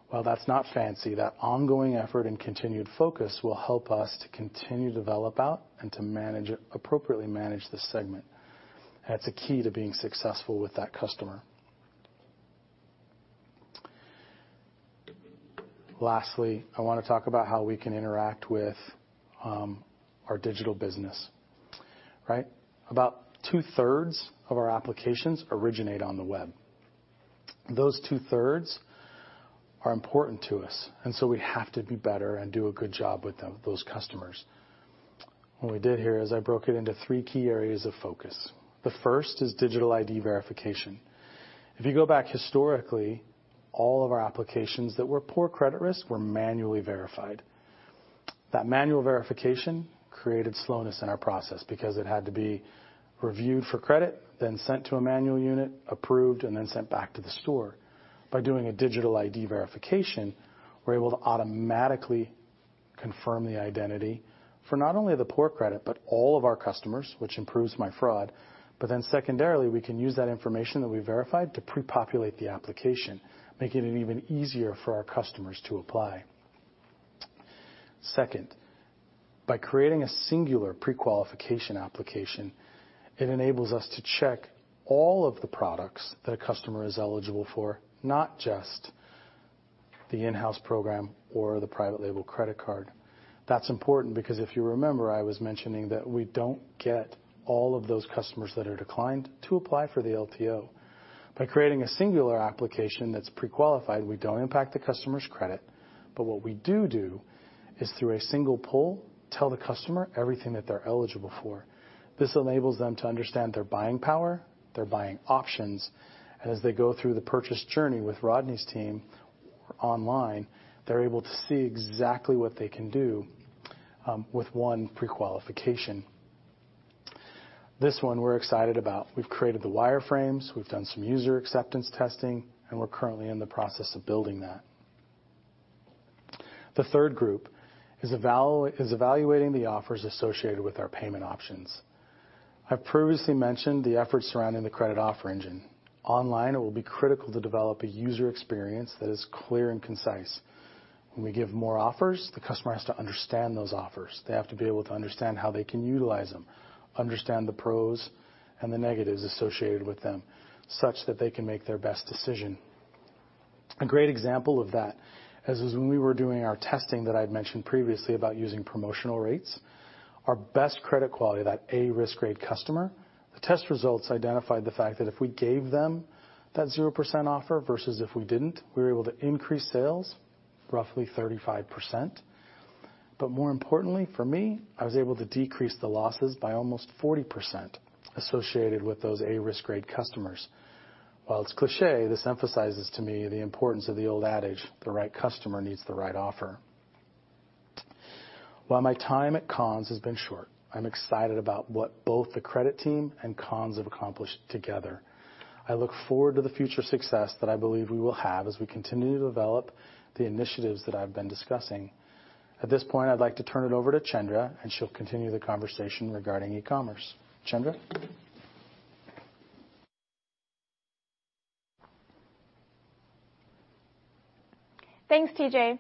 While that's not fancy, that ongoing effort and continued focus will help us to continue to develop out and to manage it, appropriately manage the segment. That's a key to being successful with that customer. Lastly, I wanna talk about how we can interact with our digital business, right? About two-thirds of our applications originate on the web. Those two-thirds are important to us, and so we have to be better and do a good job with them, those customers. What we did here is I broke it into three key areas of focus. The first is digital ID verification. If you go back historically, all of our applications that were poor credit risk were manually verified. That manual verification created slowness in our process because it had to be reviewed for credit, then sent to a manual unit, approved, and then sent back to the store. By doing a digital ID verification, we're able to automatically confirm the identity for not only the poor credit, but all of our customers, which improves my fraud. Secondarily, we can use that information that we verified to pre-populate the application, making it even easier for our customers to apply. Second, by creating a singular pre-qualification application, it enables us to check all of the products that a customer is eligible for, not just the in-house program or the private label credit card. That's important because if you remember, I was mentioning that we don't get all of those customers that are declined to apply for the LTO. By creating a singular application that's pre-qualified, we don't impact the customer's credit, but what we do do is, through a single pull, tell the customer everything that they're eligible for. This enables them to understand their buying power, their buying options, and as they go through the purchase journey with Rodney's team or online, they're able to see exactly what they can do with one pre-qualification. This one we're excited about. We've created the wireframes, we've done some user acceptance testing, and we're currently in the process of building that. The third group is evaluating the offers associated with our payment options. I previously mentioned the efforts surrounding the credit offer engine. Online, it will be critical to develop a user experience that is clear and concise. When we give more offers, the customer has to understand those offers. They have to be able to understand how they can utilize them, understand the pros and the negatives associated with them such that they can make their best decision. A great example of that is when we were doing our testing that I'd mentioned previously about using promotional rates. Our best credit quality, that A risk grade customer, the test results identified the fact that if we gave them that 0% offer versus if we didn't, we were able to increase sales roughly 35%. More importantly, for me, I was able to decrease the losses by almost 40% associated with those A risk grade customers. While it's cliché, this emphasizes to me the importance of the old adage, the right customer needs the right offer. While my time at Conn's has been short, I'm excited about what both the credit team and Conn's have accomplished together. I look forward to the future success that I believe we will have as we continue to develop the initiatives that I've been discussing. At this point, I'd like to turn it over to Chandra, and she'll continue the conversation regarding e-commerce. Chandra? Thanks, TJ.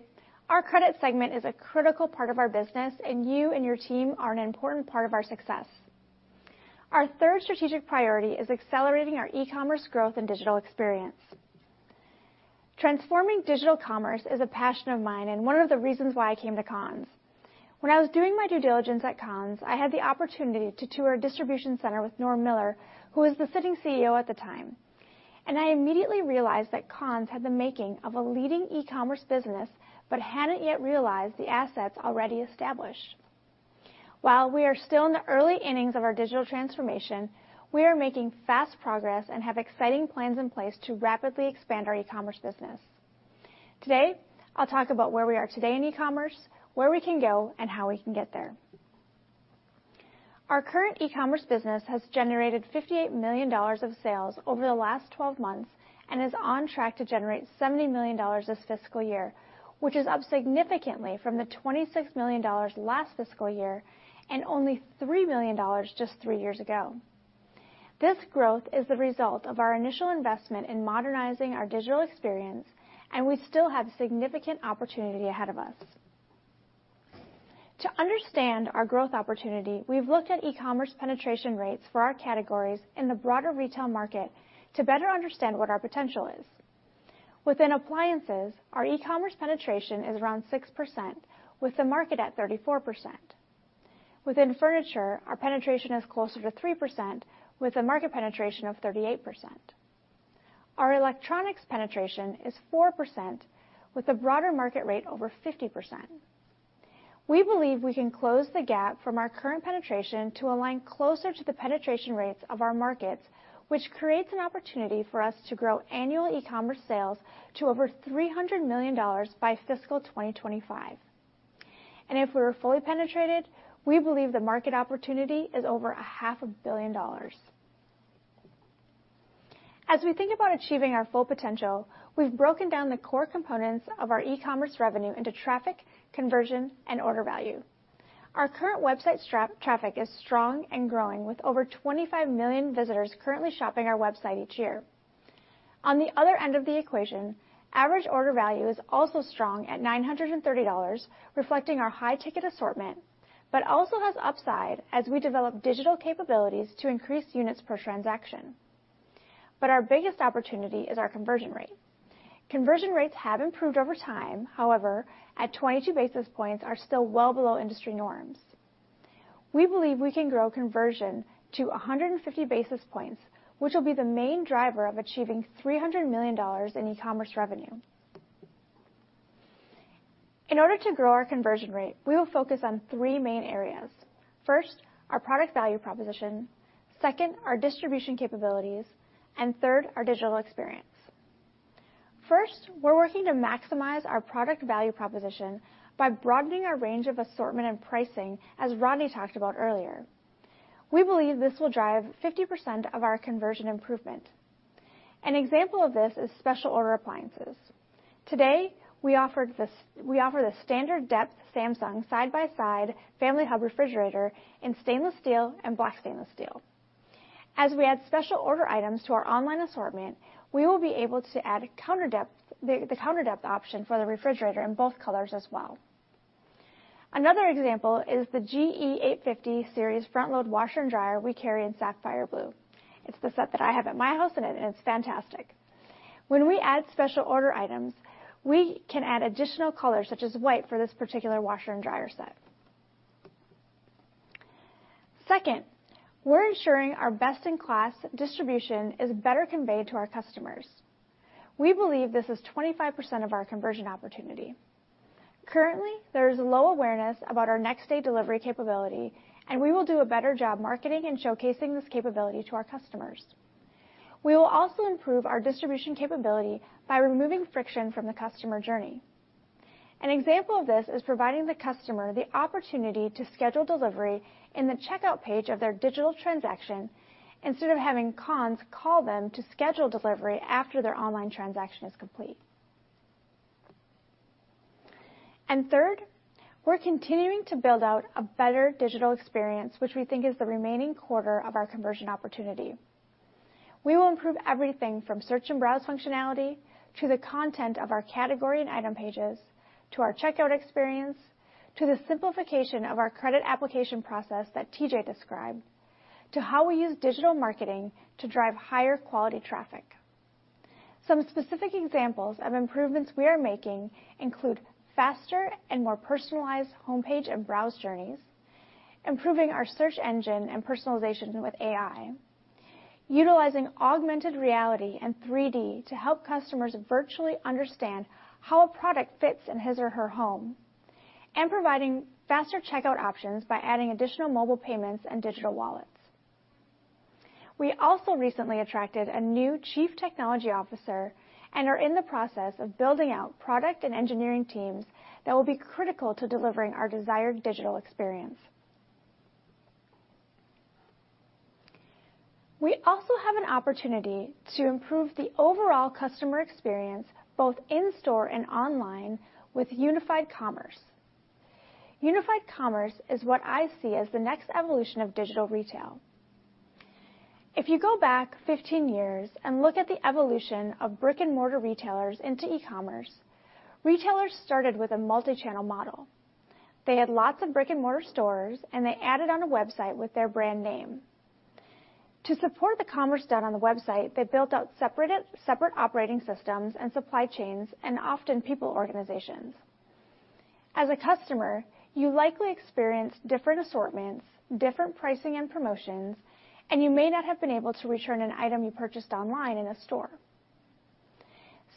Our credit segment is a critical part of our business, and you and your team are an important part of our success. Our third strategic priority is accelerating our e-commerce growth and digital experience. Transforming digital commerce is a passion of mine and one of the reasons why I came to Conn's. When I was doing my due diligence at Conn's, I had the opportunity to tour a distribution center with Norm Miller, who was the sitting CEO at the time. I immediately realized that Conn's had the making of a leading e-commerce business, but hadn't yet realized the assets already established. While we are still in the early innings of our digital transformation, we are making fast progress and have exciting plans in place to rapidly expand our e-commerce business. Today, I'll talk about where we are today in e-commerce, where we can go, and how we can get there. Our current e-commerce business has generated $58 million of sales over the last 12 months and is on track to generate $70 million this fiscal year, which is up significantly from the $26 million last fiscal year and only $3 million just three years ago. This growth is the result of our initial investment in modernizing our digital experience, and we still have significant opportunity ahead of us. To understand our growth opportunity, we've looked at e-commerce penetration rates for our categories in the broader retail market to better understand what our potential is. Within appliances, our e-commerce penetration is around 6%, with the market at 34%. Within furniture, our penetration is closer to 3% with a market penetration of 38%. Our electronics penetration is 4% with a broader market rate over 50%. We believe we can close the gap from our current penetration to align closer to the penetration rates of our markets, which creates an opportunity for us to grow annual e-commerce sales to over $300 million by fiscal 2025. If we were fully penetrated, we believe the market opportunity is over $500 million. As we think about achieving our full potential, we've broken down the core components of our e-commerce revenue into traffic, conversion, and order value. Our current website traffic is strong and growing with over 25 million visitors currently shopping our website each year. On the other end of the equation, average order value is also strong at $930, reflecting our high-ticket assortment, but also has upside as we develop digital capabilities to increase units per transaction. Our biggest opportunity is our conversion rate. Conversion rates have improved over time. However, at 22 basis points are still well below industry norms. We believe we can grow conversion to 150 basis points, which will be the main driver of achieving $300 million in e-commerce revenue. In order to grow our conversion rate, we will focus on three main areas. First, our product value proposition. Second, our distribution capabilities. Third, our digital experience. First, we're working to maximize our product value proposition by broadening our range of assortment and pricing, as Rodney talked about earlier. We believe this will drive 50% of our conversion improvement. An example of this is special order appliances. Today, we offer the standard-depth Samsung side-by-side Family Hub refrigerator in stainless steel and black stainless steel. As we add special order items to our online assortment, we will be able to add counter-depth option for the refrigerator in both colors as well. Another example is the GFW850 series front-load washer and dryer we carry in sapphire blue. It's the set that I have at my house, and it's fantastic. When we add special order items, we can add additional colors such as white for this particular washer and dryer set. Second, we're ensuring our best-in-class distribution is better conveyed to our customers. We believe this is 25% of our conversion opportunity. Currently, there is low awareness about our next-day delivery capability, and we will do a better job marketing and showcasing this capability to our customers. We will also improve our distribution capability by removing friction from the customer journey. An example of this is providing the customer the opportunity to schedule delivery in the checkout page of their digital transaction instead of having Conn's call them to schedule delivery after their online transaction is complete. Third, we're continuing to build out a better digital experience, which we think is the remaining quarter of our conversion opportunity. We will improve everything from search and browse functionality to the content of our category and item pages, to our checkout experience, to the simplification of our credit application process that TJ described, to how we use digital marketing to drive higher quality traffic. Some specific examples of improvements we are making include faster and more personalized homepage and browse journeys, improving our search engine and personalization with AI, utilizing augmented reality and 3D to help customers virtually understand how a product fits in his or her home, and providing faster checkout options by adding additional mobile payments and digital wallets. We also recently attracted a new chief technology officer and are in the process of building out product and engineering teams that will be critical to delivering our desired digital experience. We also have an opportunity to improve the overall customer experience, both in-store and online, with unified commerce. Unified commerce is what I see as the next evolution of digital retail. If you go back 15 years and look at the evolution of brick-and-mortar retailers into e-commerce, retailers started with a multi-channel model. They had lots of brick-and-mortar stores, and they added on a website with their brand name. To support the commerce done on the website, they built out separate operating systems and supply chains and often people organizations. As a customer, you likely experience different assortments, different pricing and promotions, and you may not have been able to return an item you purchased online in a store.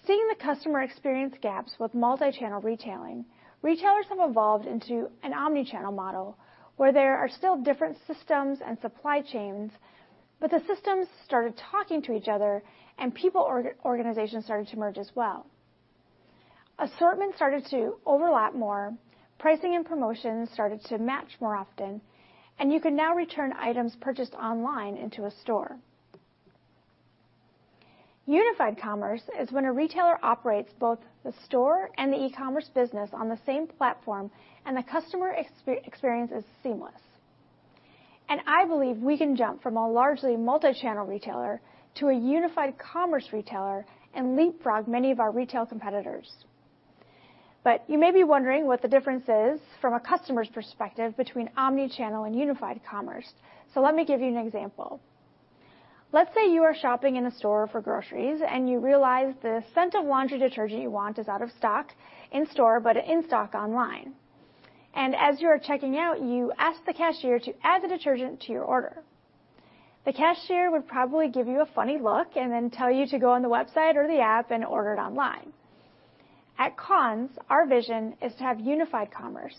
Seeing the customer experience gaps with multi-channel retailing, retailers have evolved into an omni-channel model where there are still different systems and supply chains, but the systems started talking to each other and people organizations started to merge as well. Assortment started to overlap more, pricing and promotions started to match more often, and you can now return items purchased online into a store. Unified commerce is when a retailer operates both the store and the e-commerce business on the same platform and the customer experience is seamless. I believe we can jump from a largely multi-channel retailer to a unified commerce retailer and leapfrog many of our retail competitors. You may be wondering what the difference is from a customer's perspective between omni-channel and unified commerce. Let me give you an example. Let's say you are shopping in a store for groceries and you realize the scent of laundry detergent you want is out of stock in-store, but in stock online. As you are checking out, you ask the cashier to add the detergent to your order. The cashier would probably give you a funny look and then tell you to go on the website or the app and order it online. At Conn's, our vision is to have unified commerce.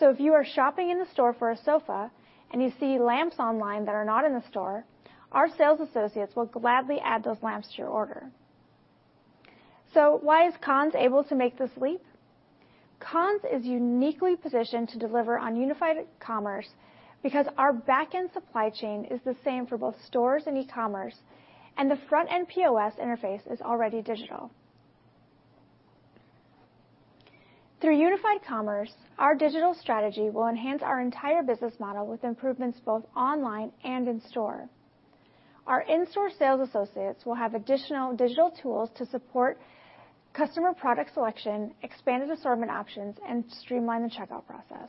If you are shopping in the store for a sofa and you see lamps online that are not in the store, our sales associates will gladly add those lamps to your order. Why is Conn's able to make this leap? Conn's is uniquely positioned to deliver on unified commerce because our back-end supply chain is the same for both stores and e-commerce, and the front-end POS interface is already digital. Through unified commerce, our digital strategy will enhance our entire business model with improvements both online and in-store. Our in-store sales associates will have additional digital tools to support customer product selection, expanded assortment options, and streamline the checkout process.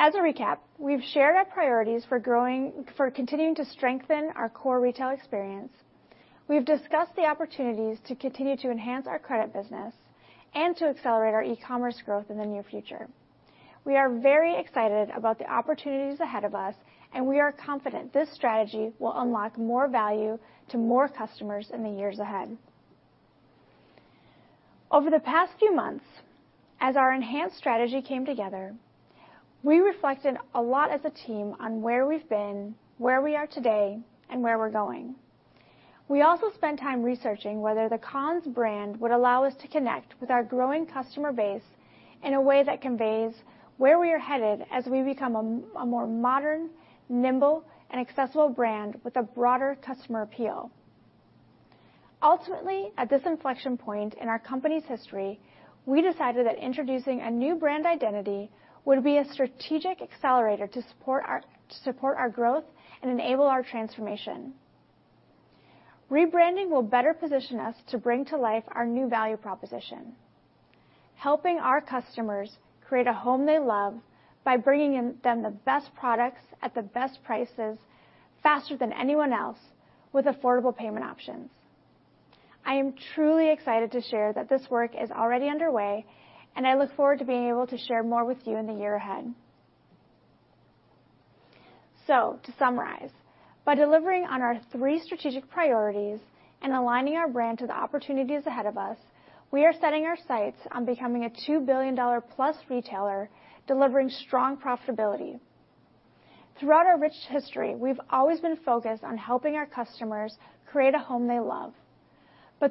As a recap, we've shared our priorities for continuing to strengthen our core retail experience. We've discussed the opportunities to continue to enhance our credit business and to accelerate our e-commerce growth in the near future. We are very excited about the opportunities ahead of us, and we are confident this strategy will unlock more value to more customers in the years ahead. Over the past few months, as our enhanced strategy came together, we reflected a lot as a team on where we've been, where we are today, and where we're going. We also spent time researching whether the Conn's brand would allow us to connect with our growing customer base in a way that conveys where we are headed as we become a more modern, nimble, and accessible brand with a broader customer appeal. Ultimately, at this inflection point in our company's history, we decided that introducing a new brand identity would be a strategic accelerator to support our growth and enable our transformation. Rebranding will better position us to bring to life our new value proposition, helping our customers create a home they love by bringing them the best products at the best prices faster than anyone else with affordable payment options. I am truly excited to share that this work is already underway, and I look forward to being able to share more with you in the year ahead. To summarize, by delivering on our three strategic priorities and aligning our brand to the opportunities ahead of us, we are setting our sights on becoming a $2 billion-plus retailer, delivering strong profitability. Throughout our rich history, we've always been focused on helping our customers create a home they love.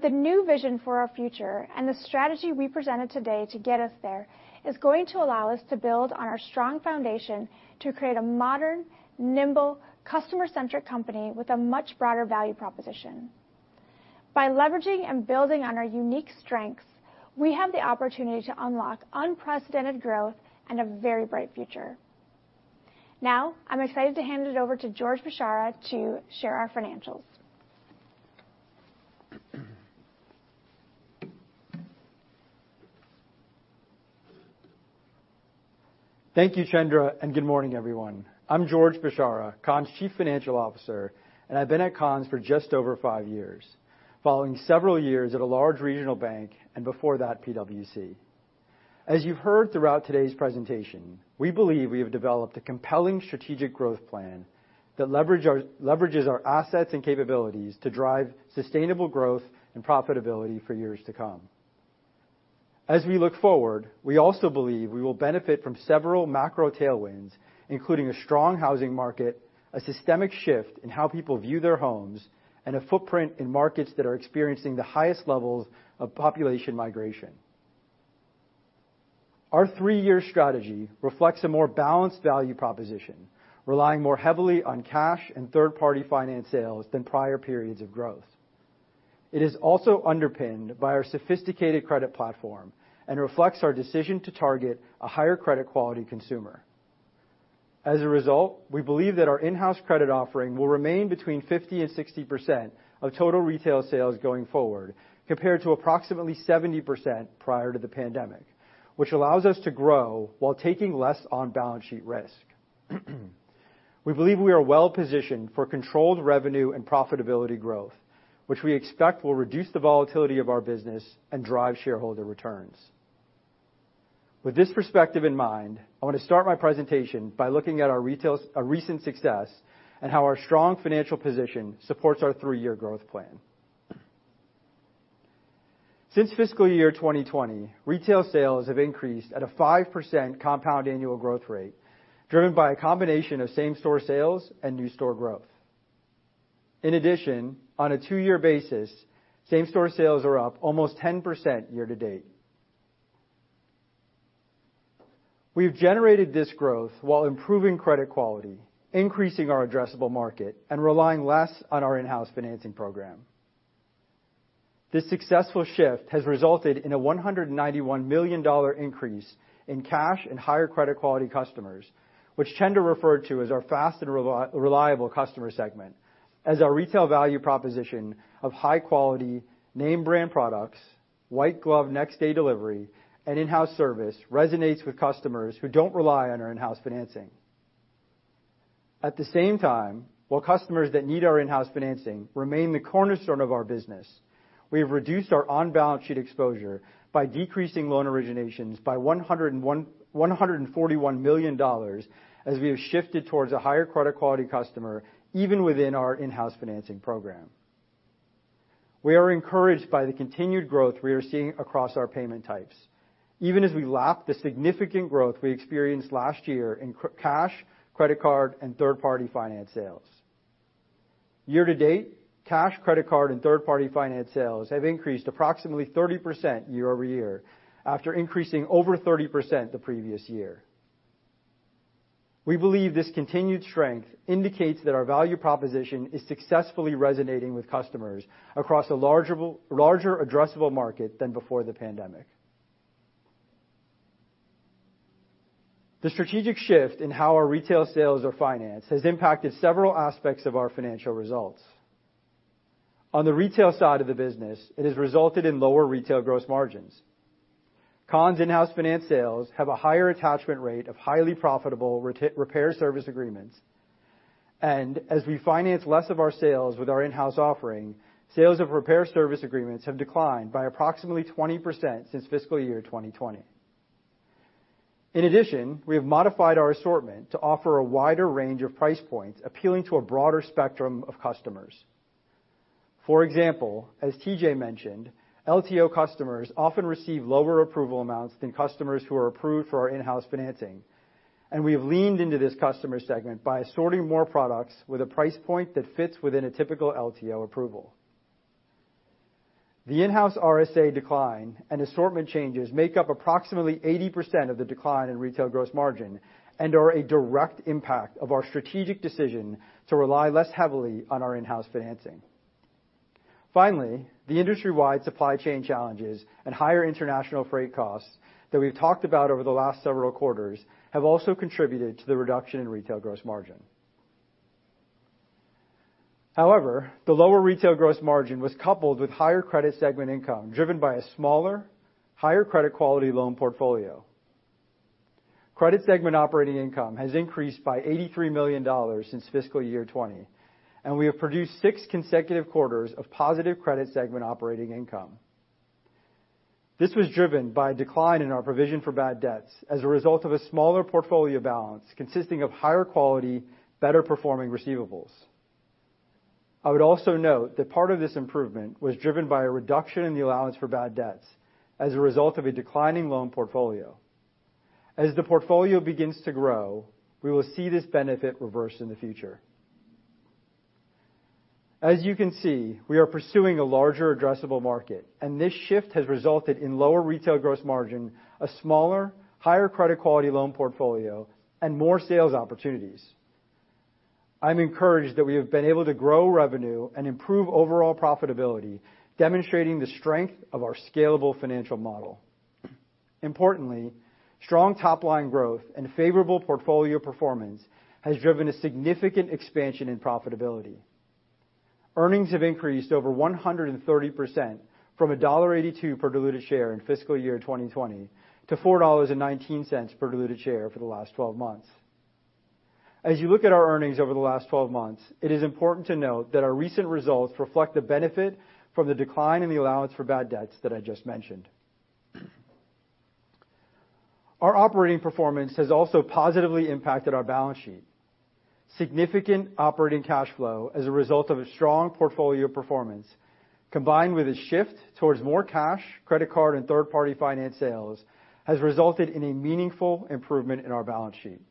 The new vision for our future and the strategy we presented today to get us there is going to allow us to build on our strong foundation to create a modern, nimble, customer-centric company with a much broader value proposition. By leveraging and building on our unique strengths, we have the opportunity to unlock unprecedented growth and a very bright future. Now, I'm excited to hand it over to George Bchara to share our financials. Thank you, Chandra, and good morning, everyone. I'm George Bchara, Conn's Chief Financial Officer, and I've been at Conn's for just over five years, following several years at a large regional bank, and before that, PwC. As you've heard throughout today's presentation, we believe we have developed a compelling strategic growth plan that leverages our assets and capabilities to drive sustainable growth and profitability for years to come. As we look forward, we also believe we will benefit from several macro tailwinds, including a strong housing market, a systemic shift in how people view their homes, and a footprint in markets that are experiencing the highest levels of population migration. Our three-year strategy reflects a more balanced value proposition, relying more heavily on cash and third-party finance sales than prior periods of growth. It is also underpinned by our sophisticated credit platform and reflects our decision to target a higher credit quality consumer. As a result, we believe that our in-house credit offering will remain between 50% and 60% of total retail sales going forward, compared to approximately 70% prior to the pandemic, which allows us to grow while taking less on-balance sheet risk. We believe we are well positioned for controlled revenue and profitability growth, which we expect will reduce the volatility of our business and drive shareholder returns. With this perspective in mind, I wanna start my presentation by looking at our retail's recent success and how our strong financial position supports our three-year growth plan. Since fiscal year 2020, retail sales have increased at a 5% compound annual growth rate, driven by a combination of same-store sales and new store growth. In addition, on a two-year basis, same-store sales are up almost 10% year-to-date. We've generated this growth while improving credit quality, increasing our addressable market, and relying less on our in-house financing program. This successful shift has resulted in a $191 million increase in cash and higher credit quality customers, which we tend to refer to as our fast and reliable customer segment, as our retail value proposition of high quality name brand products, white glove next day delivery, and in-house service resonates with customers who don't rely on our in-house financing. At the same time, while customers that need our in-house financing remain the cornerstone of our business, we have reduced our on-balance sheet exposure by decreasing loan originations by $141 million as we have shifted towards a higher credit quality customer, even within our in-house financing program. We are encouraged by the continued growth we are seeing across our payment types, even as we lap the significant growth we experienced last year in cash, credit card, and third-party finance sales. Year-to-date, cash, credit card, and third-party finance sales have increased approximately 30% year-over-year after increasing over 30% the previous year. We believe this continued strength indicates that our value proposition is successfully resonating with customers across a larger addressable market than before the pandemic. The strategic shift in how our retail sales are financed has impacted several aspects of our financial results. On the retail side of the business, it has resulted in lower retail gross margins. Conn's in-house finance sales have a higher attachment rate of highly profitable repair service agreements. As we finance less of our sales with our in-house offering, sales of repair service agreements have declined by approximately 20% since fiscal year 2020. In addition, we have modified our assortment to offer a wider range of price points appealing to a broader spectrum of customers. For example, as TJ mentioned, LTO customers often receive lower approval amounts than customers who are approved for our in-house financing, and we have leaned into this customer segment by assorting more products with a price point that fits within a typical LTO approval. The in-house RSA decline and assortment changes make up approximately 80% of the decline in retail gross margin and are a direct impact of our strategic decision to rely less heavily on our in-house financing. Finally, the industry-wide supply chain challenges and higher international freight costs that we've talked about over the last several quarters have also contributed to the reduction in retail gross margin. However, the lower retail gross margin was coupled with higher credit segment income driven by a smaller, higher credit quality loan portfolio. Credit segment operating income has increased by $83 million since fiscal year 2020, and we have produced six consecutive quarters of positive credit segment operating income. This was driven by a decline in our provision for bad debts as a result of a smaller portfolio balance consisting of higher quality, better performing receivables. I would also note that part of this improvement was driven by a reduction in the allowance for bad debts as a result of a declining loan portfolio. As the portfolio begins to grow, we will see this benefit reversed in the future. As you can see, we are pursuing a larger addressable market, and this shift has resulted in lower retail gross margin, a smaller, higher credit quality loan portfolio, and more sales opportunities. I'm encouraged that we have been able to grow revenue and improve overall profitability, demonstrating the strength of our scalable financial model. Importantly, strong top line growth and favorable portfolio performance has driven a significant expansion in profitability. Earnings have increased over 130% from $1.82 per diluted share in fiscal year 2020 to $4.19 per diluted share for the last 12 months. As you look at our earnings over the last 12 months, it is important to note that our recent results reflect the benefit from the decline in the allowance for bad debts that I just mentioned. Our operating performance has also positively impacted our balance sheet. Significant operating cash flow as a result of a strong portfolio performance, combined with a shift towards more cash, credit card, and third-party finance sales, has resulted in a meaningful improvement in our balance sheet.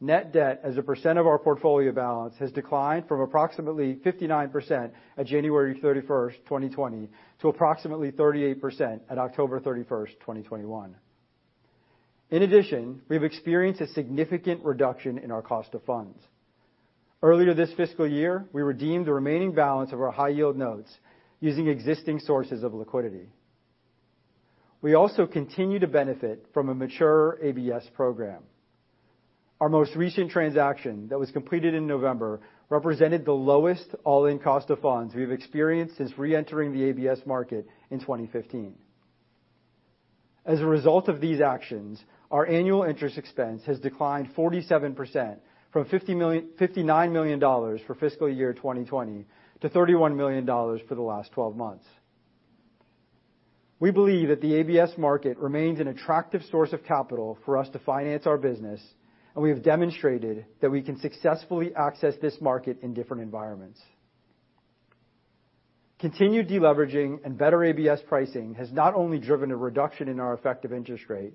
Net debt as a percent of our portfolio balance has declined from approximately 59% at January 31, 2020 to approximately 38% at October 31, 2021. In addition, we've experienced a significant reduction in our cost of funds. Earlier this fiscal year, we redeemed the remaining balance of our high yield notes using existing sources of liquidity. We also continue to benefit from a mature ABS program. Our most recent transaction that was completed in November represented the lowest all-in cost of funds we've experienced since reentering the ABS market in 2015. As a result of these actions, our annual interest expense has declined 47% from $59 million for fiscal year 2020 to $31 million for the last twelve months. We believe that the ABS market remains an attractive source of capital for us to finance our business, and we have demonstrated that we can successfully access this market in different environments. Continued deleveraging and better ABS pricing has not only driven a reduction in our effective interest rate,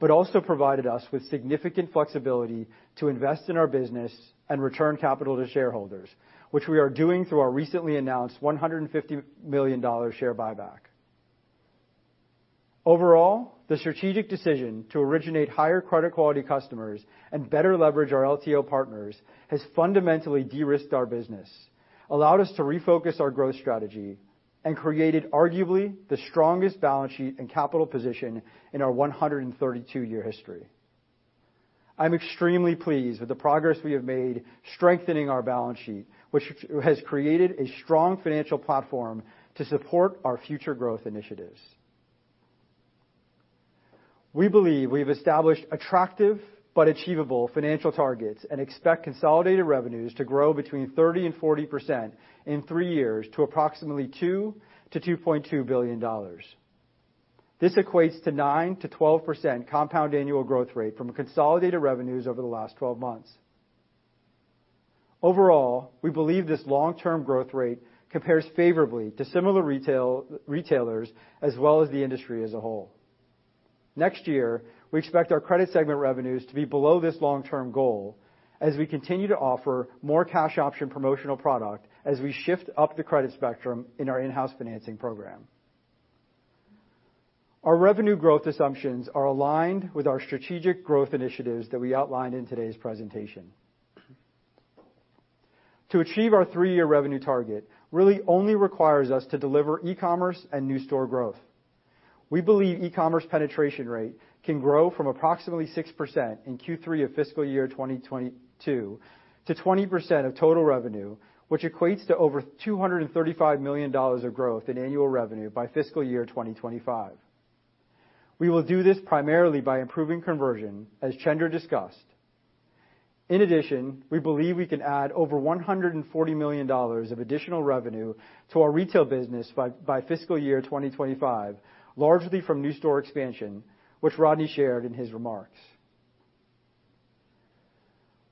but also provided us with significant flexibility to invest in our business and return capital to shareholders, which we are doing through our recently announced $150 million share buyback. Overall, the strategic decision to originate higher credit quality customers and better leverage our LTO partners has fundamentally de-risked our business, allowed us to refocus our growth strategy, and created arguably the strongest balance sheet and capital position in our 132-year history. I'm extremely pleased with the progress we have made strengthening our balance sheet, which has created a strong financial platform to support our future growth initiatives. We believe we've established attractive but achievable financial targets and expect consolidated revenues to grow between 30% and 40% in three years to approximately $2-$2.2 billion. This equates to 9%-12% compound annual growth rate from consolidated revenues over the last 12 months. Overall, we believe this long-term growth rate compares favorably to similar retailers as well as the industry as a whole. Next year, we expect our credit segment revenues to be below this long-term goal as we continue to offer more cash option promotional product as we shift up the credit spectrum in our in-house financing program. Our revenue growth assumptions are aligned with our strategic growth initiatives that we outlined in today's presentation. To achieve our three-year revenue target really only requires us to deliver e-commerce and new store growth. We believe e-commerce penetration rate can grow from approximately 6% in Q3 of fiscal year 2022 to 20% of total revenue, which equates to over $235 million of growth in annual revenue by fiscal year 2025. We will do this primarily by improving conversion, as Chandra discussed. In addition, we believe we can add over $140 million of additional revenue to our retail business by fiscal year 2025, largely from new store expansion, which Rodney shared in his remarks.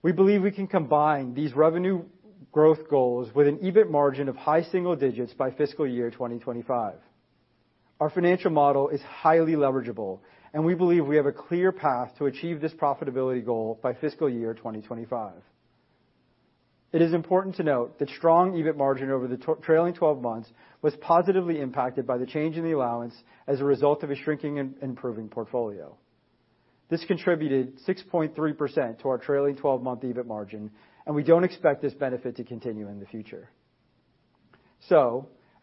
We believe we can combine these revenue growth goals with an EBIT margin of high single digits by fiscal year 2025. Our financial model is highly leverageable, and we believe we have a clear path to achieve this profitability goal by fiscal year 2025. It is important to note that strong EBIT margin over the trailing twelve months was positively impacted by the change in the allowance as a result of a shrinking and improving portfolio. This contributed 6.3% to our trailing 12-month EBIT margin, and we don't expect this benefit to continue in the future.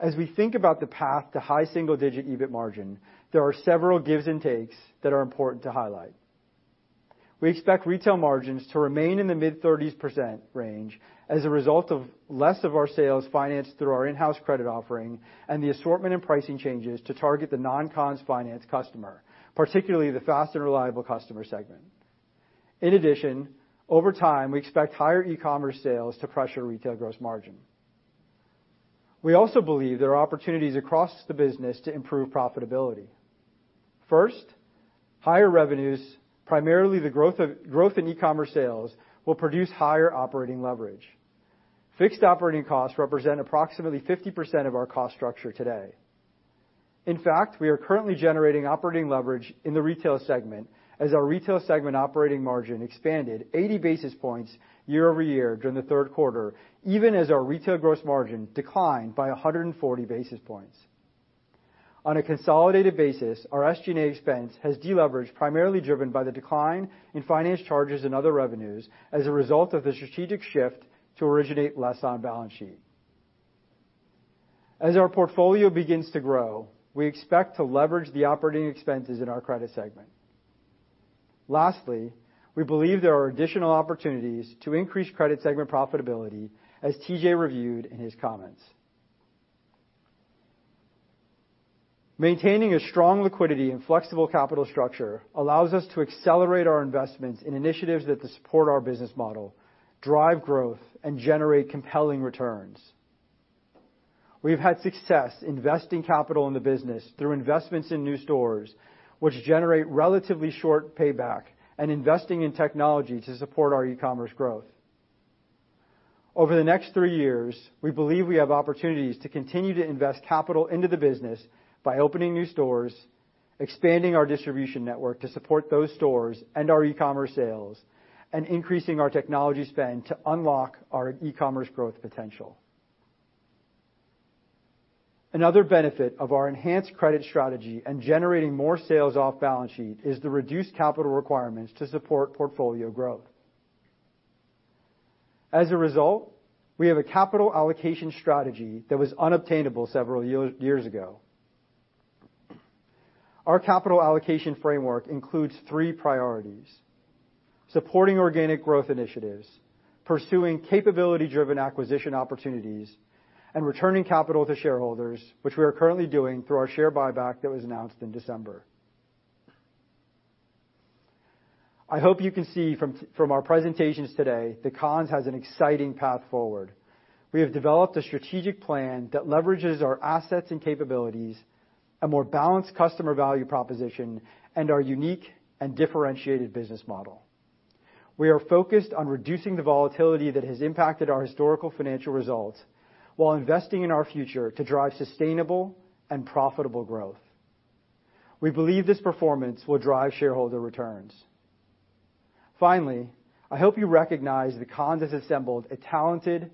As we think about the path to high single-digit EBIT margin, there are several gives and takes that are important to highlight. We expect retail margins to remain in the mid-30s% range as a result of less of our sales financed through our in-house credit offering and the assortment and pricing changes to target the non-Conn's finance customer, particularly the fast and reliable customer segment. In addition, over time, we expect higher e-commerce sales to pressure retail gross margin. We also believe there are opportunities across the business to improve profitability. First, higher revenues, primarily growth in e-commerce sales, will produce higher operating leverage. Fixed operating costs represent approximately 50% of our cost structure today. In fact, we are currently generating operating leverage in the retail segment as our retail segment operating margin expanded 80 basis points year-over-year during the third quarter, even as our retail gross margin declined by 140 basis points. On a consolidated basis, our SG&A expense has deleveraged primarily driven by the decline in finance charges and other revenues as a result of the strategic shift to originate less on balance sheet. As our portfolio begins to grow, we expect to leverage the operating expenses in our credit segment. Lastly, we believe there are additional opportunities to increase credit segment profitability, as TJ reviewed in his comments. Maintaining a strong liquidity and flexible capital structure allows us to accelerate our investments in initiatives that support our business model, drive growth, and generate compelling returns. We've had success investing capital in the business through investments in new stores, which generate relatively short payback and investing in technology to support our e-commerce growth. Over the next three years, we believe we have opportunities to continue to invest capital into the business by opening new stores, expanding our distribution network to support those stores and our e-commerce sales, and increasing our technology spend to unlock our e-commerce growth potential. Another benefit of our enhanced credit strategy and generating more sales off balance sheet is the reduced capital requirements to support portfolio growth. As a result, we have a capital allocation strategy that was unobtainable several years ago. Our capital allocation framework includes three priorities. Supporting organic growth initiatives, pursuing capability-driven acquisition opportunities, and returning capital to shareholders, which we are currently doing through our share buyback that was announced in December. I hope you can see from our presentations today that Conn's has an exciting path forward. We have developed a strategic plan that leverages our assets and capabilities, a more balanced customer value proposition, and our unique and differentiated business model. We are focused on reducing the volatility that has impacted our historical financial results while investing in our future to drive sustainable and profitable growth. We believe this performance will drive shareholder returns. Finally, I hope you recognize that Conn's has assembled a talented,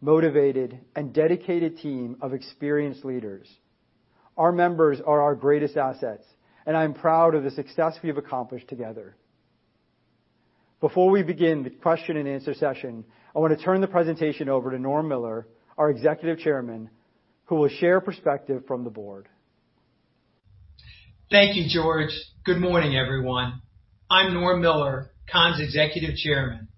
motivated, and dedicated team of experienced leaders. Our members are our greatest assets, and I am proud of the success we have accomplished together. Before we begin the question and answer session, I wanna turn the presentation over to Norm Miller, our Executive Chairman, who will share a perspective from the board. Thank you, George. Good morning, everyone. I'm Norm Miller, Conn's Executive Chairman.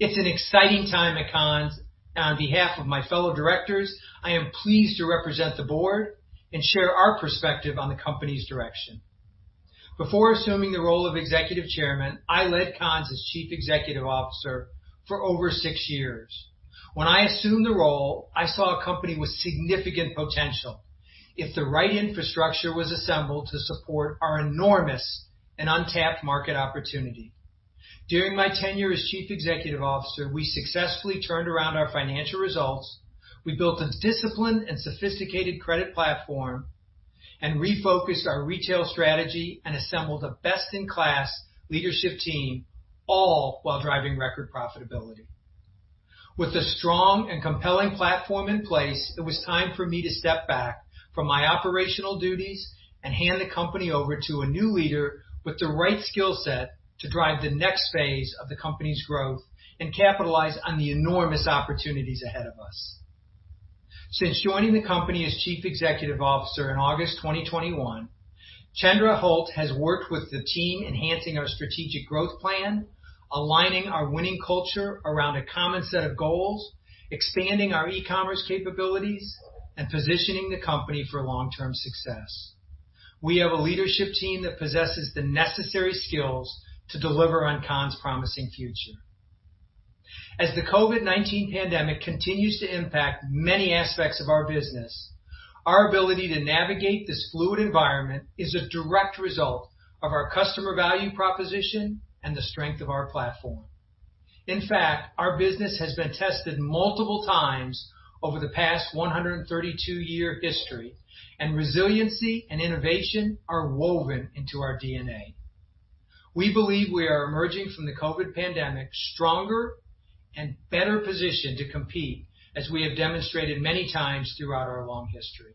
It's an exciting time at Conn's. On behalf of my fellow directors, I am pleased to represent the board and share our perspective on the company's direction. Before assuming the role of Executive Chairman, I led Conn's as Chief Executive Officer for over six years. When I assumed the role, I saw a company with significant potential if the right infrastructure was assembled to support our enormous and untapped market opportunity. During my tenure as Chief Executive Officer, we successfully turned around our financial results, we built a disciplined and sophisticated credit platform, and refocused our retail strategy and assembled a best-in-class leadership team, all while driving record profitability. With a strong and compelling platform in place, it was time for me to step back from my operational duties and hand the company over to a new leader with the right skill set to drive the next phase of the company's growth and capitalize on the enormous opportunities ahead of us. Since joining the company as Chief Executive Officer in August 2021, Chandra Holt has worked with the team enhancing our strategic growth plan, aligning our winning culture around a common set of goals, expanding our e-commerce capabilities, and positioning the company for long-term success. We have a leadership team that possesses the necessary skills to deliver on Conn's promising future. As the COVID-19 pandemic continues to impact many aspects of our business, our ability to navigate this fluid environment is a direct result of our customer value proposition and the strength of our platform. In fact, our business has been tested multiple times over the past 132-year history, and resiliency and innovation are woven into our DNA. We believe we are emerging from the COVID pandemic stronger and better positioned to compete, as we have demonstrated many times throughout our long history.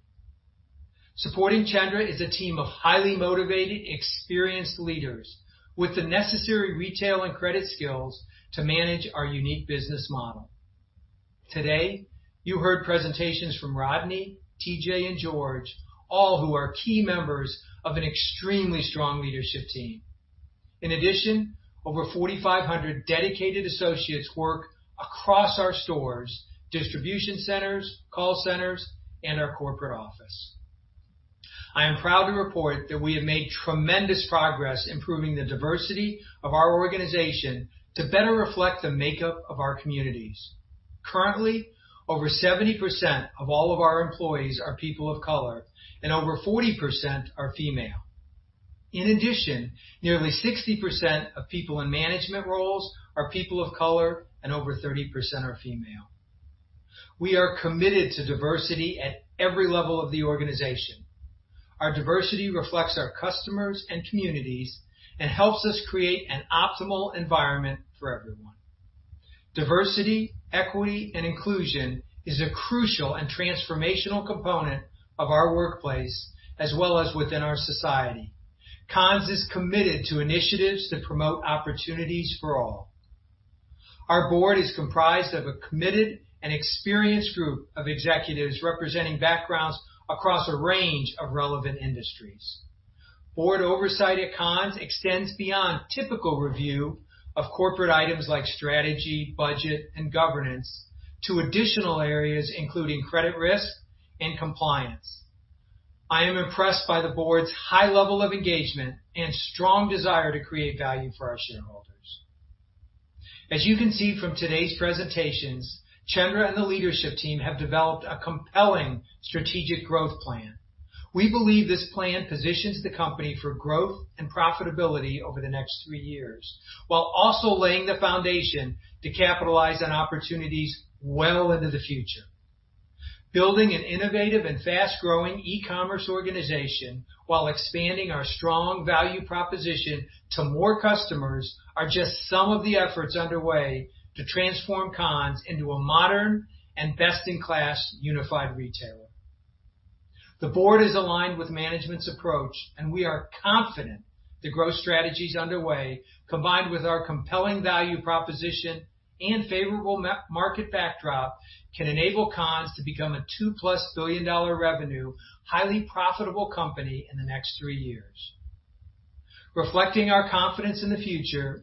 Supporting Chandra is a team of highly motivated, experienced leaders with the necessary retail and credit skills to manage our unique business model. Today, you heard presentations from Rodney, TJ, and George, all who are key members of an extremely strong leadership team. In addition, over 4,500 dedicated associates work across our stores, distribution centers, call centers, and our corporate office. I am proud to report that we have made tremendous progress improving the diversity of our organization to better reflect the makeup of our communities. Currently, over 70% of all of our employees are people of color and over 40% are female. In addition, nearly 60% of people in management roles are people of color and over 30% are female. We are committed to diversity at every level of the organization. Our diversity reflects our customers and communities and helps us create an optimal environment for everyone. Diversity, equity, and inclusion is a crucial and transformational component of our workplace as well as within our society. Conn's is committed to initiatives that promote opportunities for all. Our board is comprised of a committed and experienced group of executives representing backgrounds across a range of relevant industries. Board oversight at Conn's extends beyond typical review of corporate items like strategy, budget, and governance to additional areas including credit risk and compliance. I am impressed by the board's high level of engagement and strong desire to create value for our shareholders. As you can see from today's presentations, Chandra and the leadership team have developed a compelling strategic growth plan. We believe this plan positions the company for growth and profitability over the next three years, while also laying the foundation to capitalize on opportunities well into the future. Building an innovative and fast-growing e-commerce organization while expanding our strong value proposition to more customers are just some of the efforts underway to transform Conn's into a modern and best-in-class unified retailer. The board is aligned with management's approach, and we are confident the growth strategies underway, combined with our compelling value proposition and favorable market backdrop, can enable Conn's to become a two-plus billion-dollar revenue, highly profitable company in the next three years. Reflecting our confidence in the future,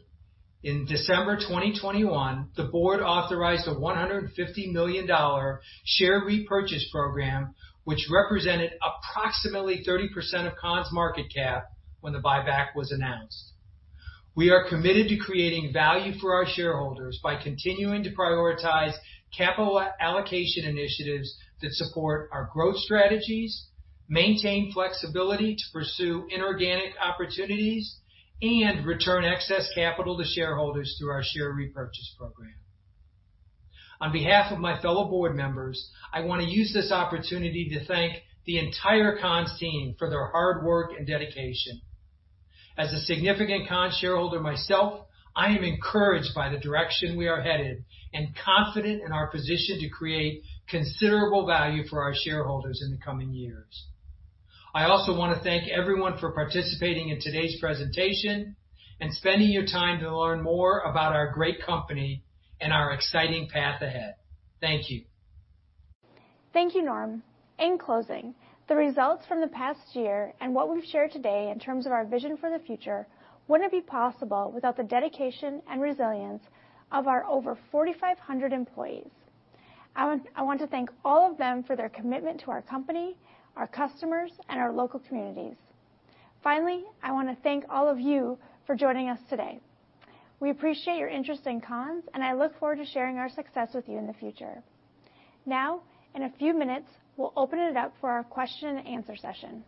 in December 2021, the board authorized a $150 million share repurchase program, which represented approximately 30% of Conn's market cap when the buyback was announced. We are committed to creating value for our shareholders by continuing to prioritize capital allocation initiatives that support our growth strategies, maintain flexibility to pursue inorganic opportunities, and return excess capital to shareholders through our share repurchase program. On behalf of my fellow board members, I want to use this opportunity to thank the entire Conn's team for their hard work and dedication. As a significant Conn's shareholder myself, I am encouraged by the direction we are headed and confident in our position to create considerable value for our shareholders in the coming years. I also want to thank everyone for participating in today's presentation and spending your time to learn more about our great company and our exciting path ahead. Thank you. Thank you, Norm. In closing, the results from the past year and what we've shared today in terms of our vision for the future wouldn't be possible without the dedication and resilience of our over 4,500 employees. I want to thank all of them for their commitment to our company, our customers, and our local communities. Finally, I want to thank all of you for joining us today. We appreciate your interest in Conn's, and I look forward to sharing our success with you in the future. Now, in a few minutes, we'll open it up for our question and answer session.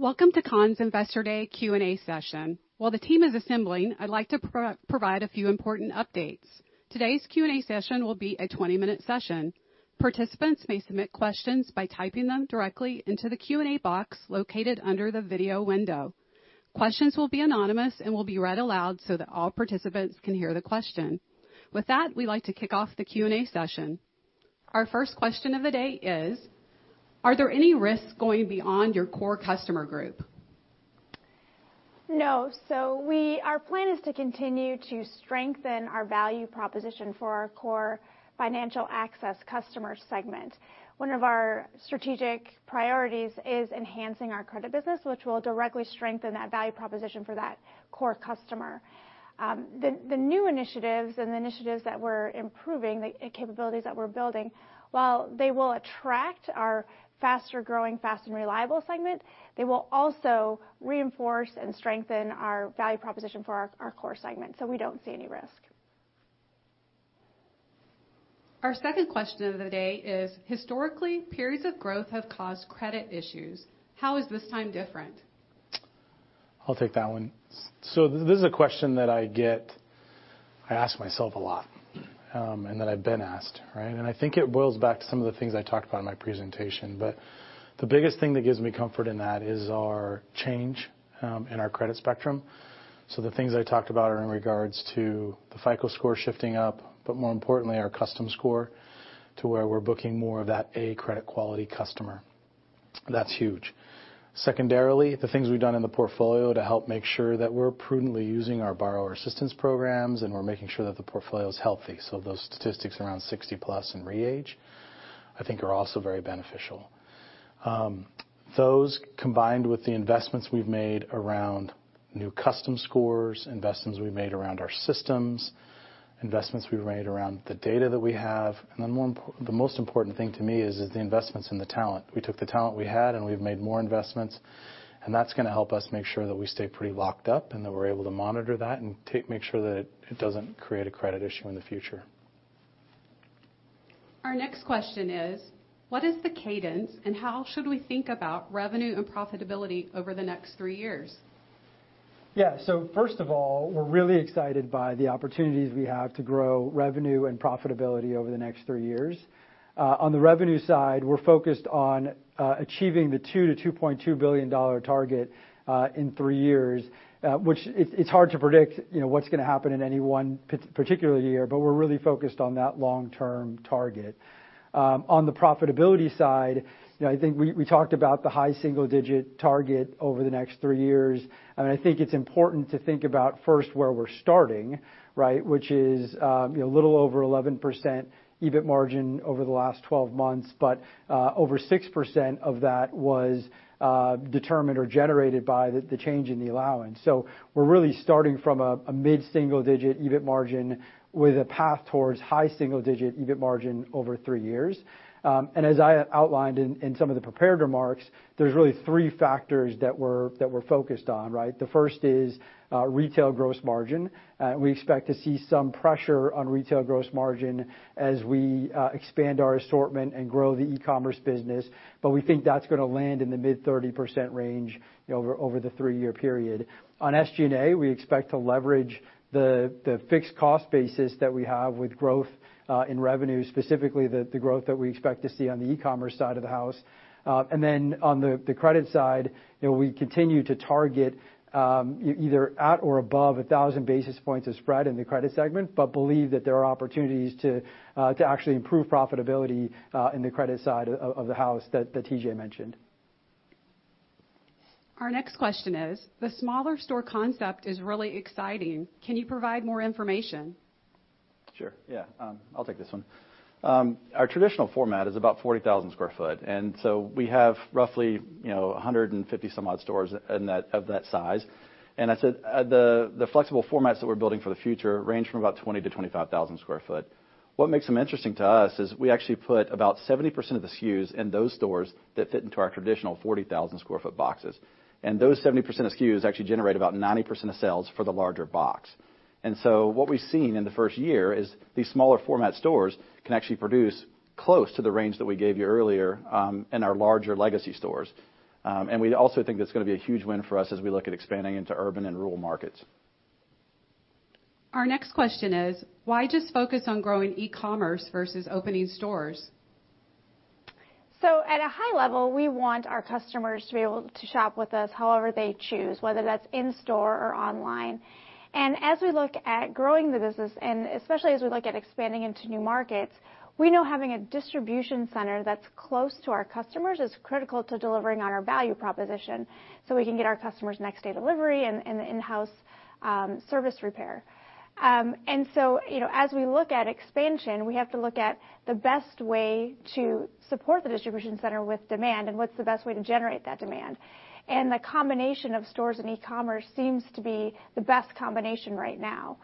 Welcome to Conn's Investor Day Q&A session. While the team is assembling, I'd like to provide a few important updates. Today's Q&A session will be a 20-minute session. Participants may submit questions by typing them directly into the Q&A box located under the video window. Questions will be anonymous and will be read aloud so that all participants can hear the question. With that, we'd like to kick off the Q&A session. Our first question of the day is: Are there any risks going beyond your core customer group? No. Our plan is to continue to strengthen our value proposition for our core financial access customer segment. One of our strategic priorities is enhancing our credit business, which will directly strengthen that value proposition for that core customer. The new initiatives and the initiatives that we're improving, the capabilities that we're building, while they will attract our faster-growing fast and reliable segment, they will also reinforce and strengthen our value proposition for our core segment, so we don't see any risk. Our second question of the day is: historically, periods of growth have caused credit issues. How is this time different? I'll take that one. This is a question that I get, I ask myself a lot, and that I've been asked, right? I think it boils back to some of the things I talked about in my presentation. The biggest thing that gives me comfort in that is our change in our credit spectrum. The things I talked about are in regards to the FICO score shifting up, but more importantly, our custom score to where we're booking more of that A credit quality customer. That's huge. Secondarily, the things we've done in the portfolio to help make sure that we're prudently using our borrower assistance programs and we're making sure that the portfolio is healthy. Those statistics around 60+ in re-age, I think, are also very beneficial. Those combined with the investments we've made around new custom scores, investments we've made around our systems, investments we've made around the data that we have. Then the most important thing to me is the investments in the talent. We took the talent we had, and we've made more investments, and that's gonna help us make sure that we stay pretty locked up and that we're able to monitor that and make sure that it doesn't create a credit issue in the future. Our next question is: what is the cadence, and how should we think about revenue and profitability over the next three years? Yeah. First of all, we're really excited by the opportunities we have to grow revenue and profitability over the next three years. On the revenue side, we're focused on achieving the $2 billion-$2.2 billion target in three years, which it's hard to predict, you know, what's gonna happen in any one particular year, but we're really focused on that long-term target. On the profitability side, you know, I think we talked about the high single-digit target over the next three years. I think it's important to think about first where we're starting, right, which is, you know, a little over 11% EBIT margin over the last 12 months. Over 6% of that was determined or generated by the change in the allowance. We're really starting from a mid-single-digit EBIT margin with a path towards high-single-digit EBIT margin over three years. As I outlined in some of the prepared remarks, there's really three factors that we're focused on, right? The first is retail gross margin. We expect to see some pressure on retail gross margin as we expand our assortment and grow the e-commerce business, but we think that's gonna land in the mid-30% range, you know, over the three-year period. On SG&A, we expect to leverage the fixed cost basis that we have with growth in revenue, specifically the growth that we expect to see on the e-commerce side of the house. On the credit side, you know, we continue to target either at or above 1,000 basis points of spread in the credit segment, but believe that there are opportunities to actually improve profitability in the credit side of the house that TJ mentioned. Our next question is: The smaller store concept is really exciting. Can you provide more information? Sure, yeah. I'll take this one. Our traditional format is about 40,000 sq ft. We have roughly, you know, 150-some-odd stores of that size. I said the flexible formats that we're building for the future range from about 20-25,000 sq ft. What makes them interesting to us is we actually put about 70% of the SKUs in those stores that fit into our traditional 40,000 sq ft boxes. Those 70% of SKUs actually generate about 90% of sales for the larger box. What we've seen in the first year is these smaller format stores can actually produce close to the range that we gave you earlier in our larger legacy stores. We also think that's gonna be a huge win for us as we look at expanding into urban and rural markets. Our next question is why just focus on growing e-commerce versus opening stores? At a high level, we want our customers to be able to shop with us however they choose, whether that's in store or online. As we look at growing the business, and especially as we look at expanding into new markets, we know having a distribution center that's close to our customers is critical to delivering on our value proposition, so we can get our customers next day delivery and the in-house service repair. You know, as we look at expansion, we have to look at the best way to support the distribution center with demand and what's the best way to generate that demand. The combination of stores and e-commerce seems to be the best combination right now.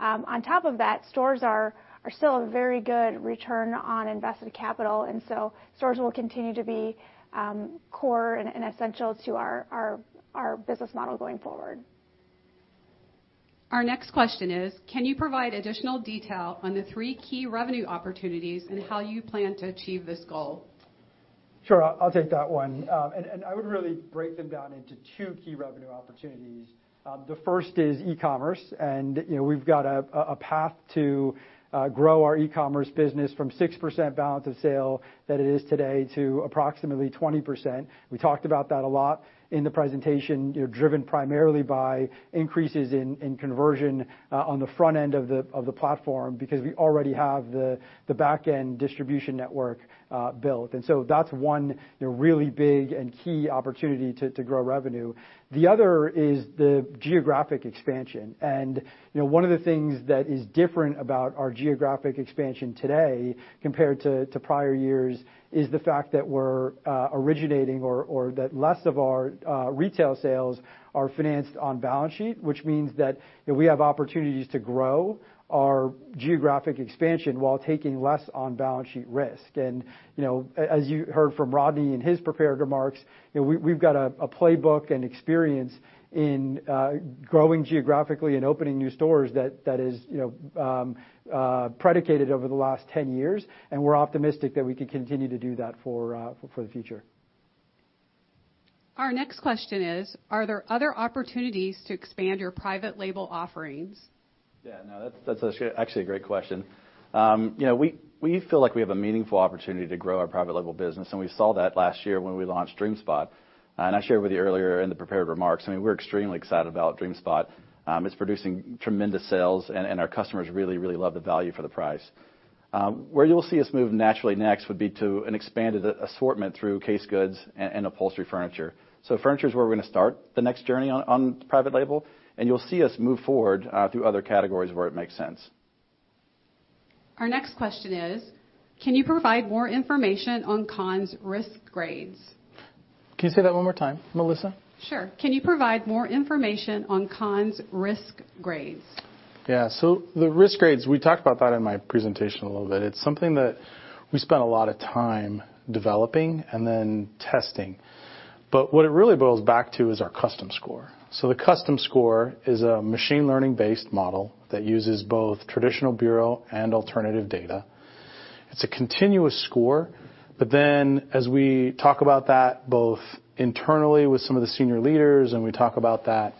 On top of that, stores are still a very good return on invested capital, and so stores will continue to be core and essential to our business model going forward. Our next question is: Can you provide additional detail on the three key revenue opportunities and how you plan to achieve this goal? Sure. I'll take that one. I would really break them down into two key revenue opportunities. The first is e-commerce, and you know, we've got a path to grow our e-commerce business from 6% of sales that it is today to approximately 20%. We talked about that a lot in the presentation, you know, driven primarily by increases in conversion on the front end of the platform because we already have the backend distribution network built. That's one, you know, really big and key opportunity to grow revenue. The other is the geographic expansion. You know, one of the things that is different about our geographic expansion today compared to prior years is the fact that we're that less of our retail sales are financed on balance sheet, which means that, you know, we have opportunities to grow our geographic expansion while taking less on balance sheet risk. As you heard from Rodney in his prepared remarks, you know, we've got a playbook and experience in growing geographically and opening new stores that is predicated over the last 10 years, and we're optimistic that we can continue to do that for the future. Our next question is: Are there other opportunities to expand your private label offerings? Yeah, no, that's actually a great question. You know, we feel like we have a meaningful opportunity to grow our private label business, and we saw that last year when we launched DreamSpot. I shared with you earlier in the prepared remarks. I mean, we're extremely excited about DreamSpot. It's producing tremendous sales, and our customers really love the value for the price. Where you'll see us move naturally next would be to an expanded assortment through case goods and upholstery furniture. Furniture is where we're gonna start the next journey on private label, and you'll see us move forward through other categories where it makes sense. Our next question is: Can you provide more information on Conn's risk grades? Can you say that one more time, Melissa? Sure. Can you provide more information on Conn's risk grades? Yeah. The risk grades, we talked about that in my presentation a little bit. It's something that we spent a lot of time developing and then testing. What it really boils back to is our custom score. The custom score is a machine learning-based model that uses both traditional bureau and alternative data. It's a continuous score, but then as we talk about that both internally with some of the senior leaders and we talk about that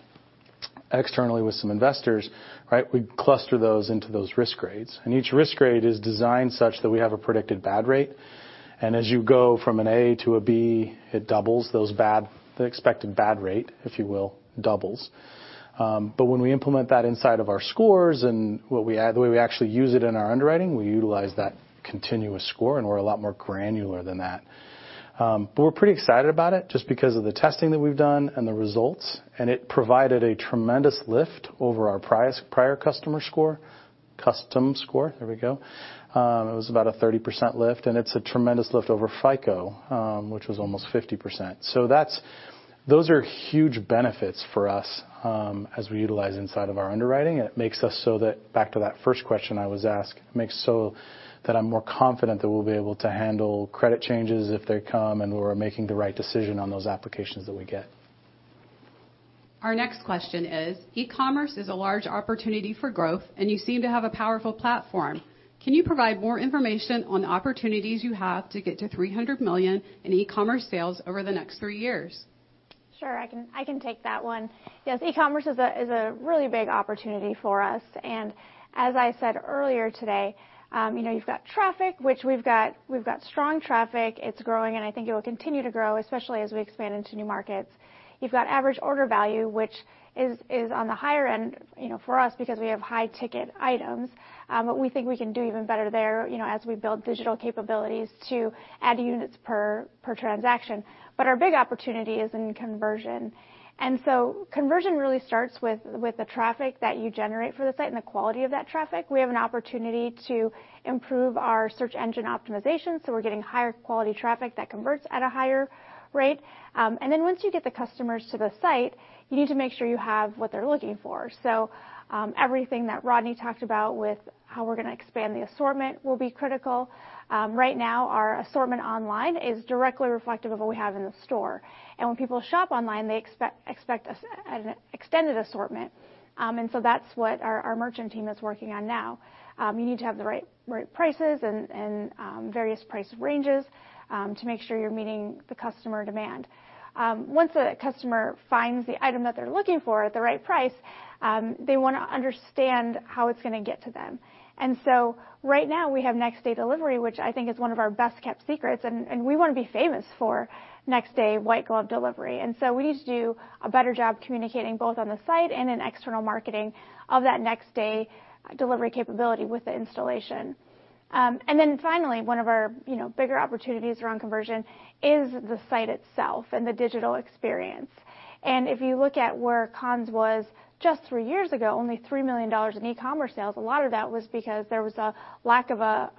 externally with some investors, right? We cluster those into those risk grades, and each risk grade is designed such that we have a predicted bad rate. As you go from an A to a B, it doubles those bad, the expected bad rate, if you will, doubles. When we implement that inside of our scores and what we add, the way we actually use it in our underwriting, we utilize that continuous score, and we're a lot more granular than that. We're pretty excited about it just because of the testing that we've done and the results, and it provided a tremendous lift over our prior custom score. It was about a 30% lift, and it's a tremendous lift over FICO, which was almost 50%. Those are huge benefits for us, as we utilize inside of our underwriting. It makes us so that, back to that first question I was asked, I'm more confident that we'll be able to handle credit changes if they come, and we're making the right decision on those applications that we get. Our next question is: E-commerce is a large opportunity for growth, and you seem to have a powerful platform. Can you provide more information on the opportunities you have to get to $300 million in e-commerce sales over the next three years? Sure. I can take that one. Yes, e-commerce is a really big opportunity for us. As I said earlier today, you know, you've got traffic, which we've got strong traffic. It's growing, and I think it will continue to grow, especially as we expand into new markets. You've got average order value, which is on the higher end, you know, for us because we have high ticket items, but we think we can do even better there, you know, as we build digital capabilities to add units per transaction. Our big opportunity is in conversion. Conversion really starts with the traffic that you generate for the site and the quality of that traffic. We have an opportunity to improve our search engine optimization, so we're getting higher quality traffic that converts at a higher rate. Once you get the customers to the site, you need to make sure you have what they're looking for. Everything that Rodney talked about with how we're gonna expand the assortment will be critical. Right now, our assortment online is directly reflective of what we have in the store. When people shop online, they expect an extended assortment. That's what our merchant team is working on now. You need to have the right prices and various price ranges to make sure you're meeting the customer demand. Once a customer finds the item that they're looking for at the right price, they wanna understand how it's gonna get to them. Right now, we have next day delivery, which I think is one of our best kept secrets, and we wanna be famous for next day white glove delivery. We need to do a better job communicating both on the site and in external marketing of that next day delivery capability with the installation. Finally, one of our, you know, bigger opportunities around conversion is the site itself and the digital experience. If you look at where Conn's was just three years ago, only $3 million in e-commerce sales, a lot of that was because there was a lack of a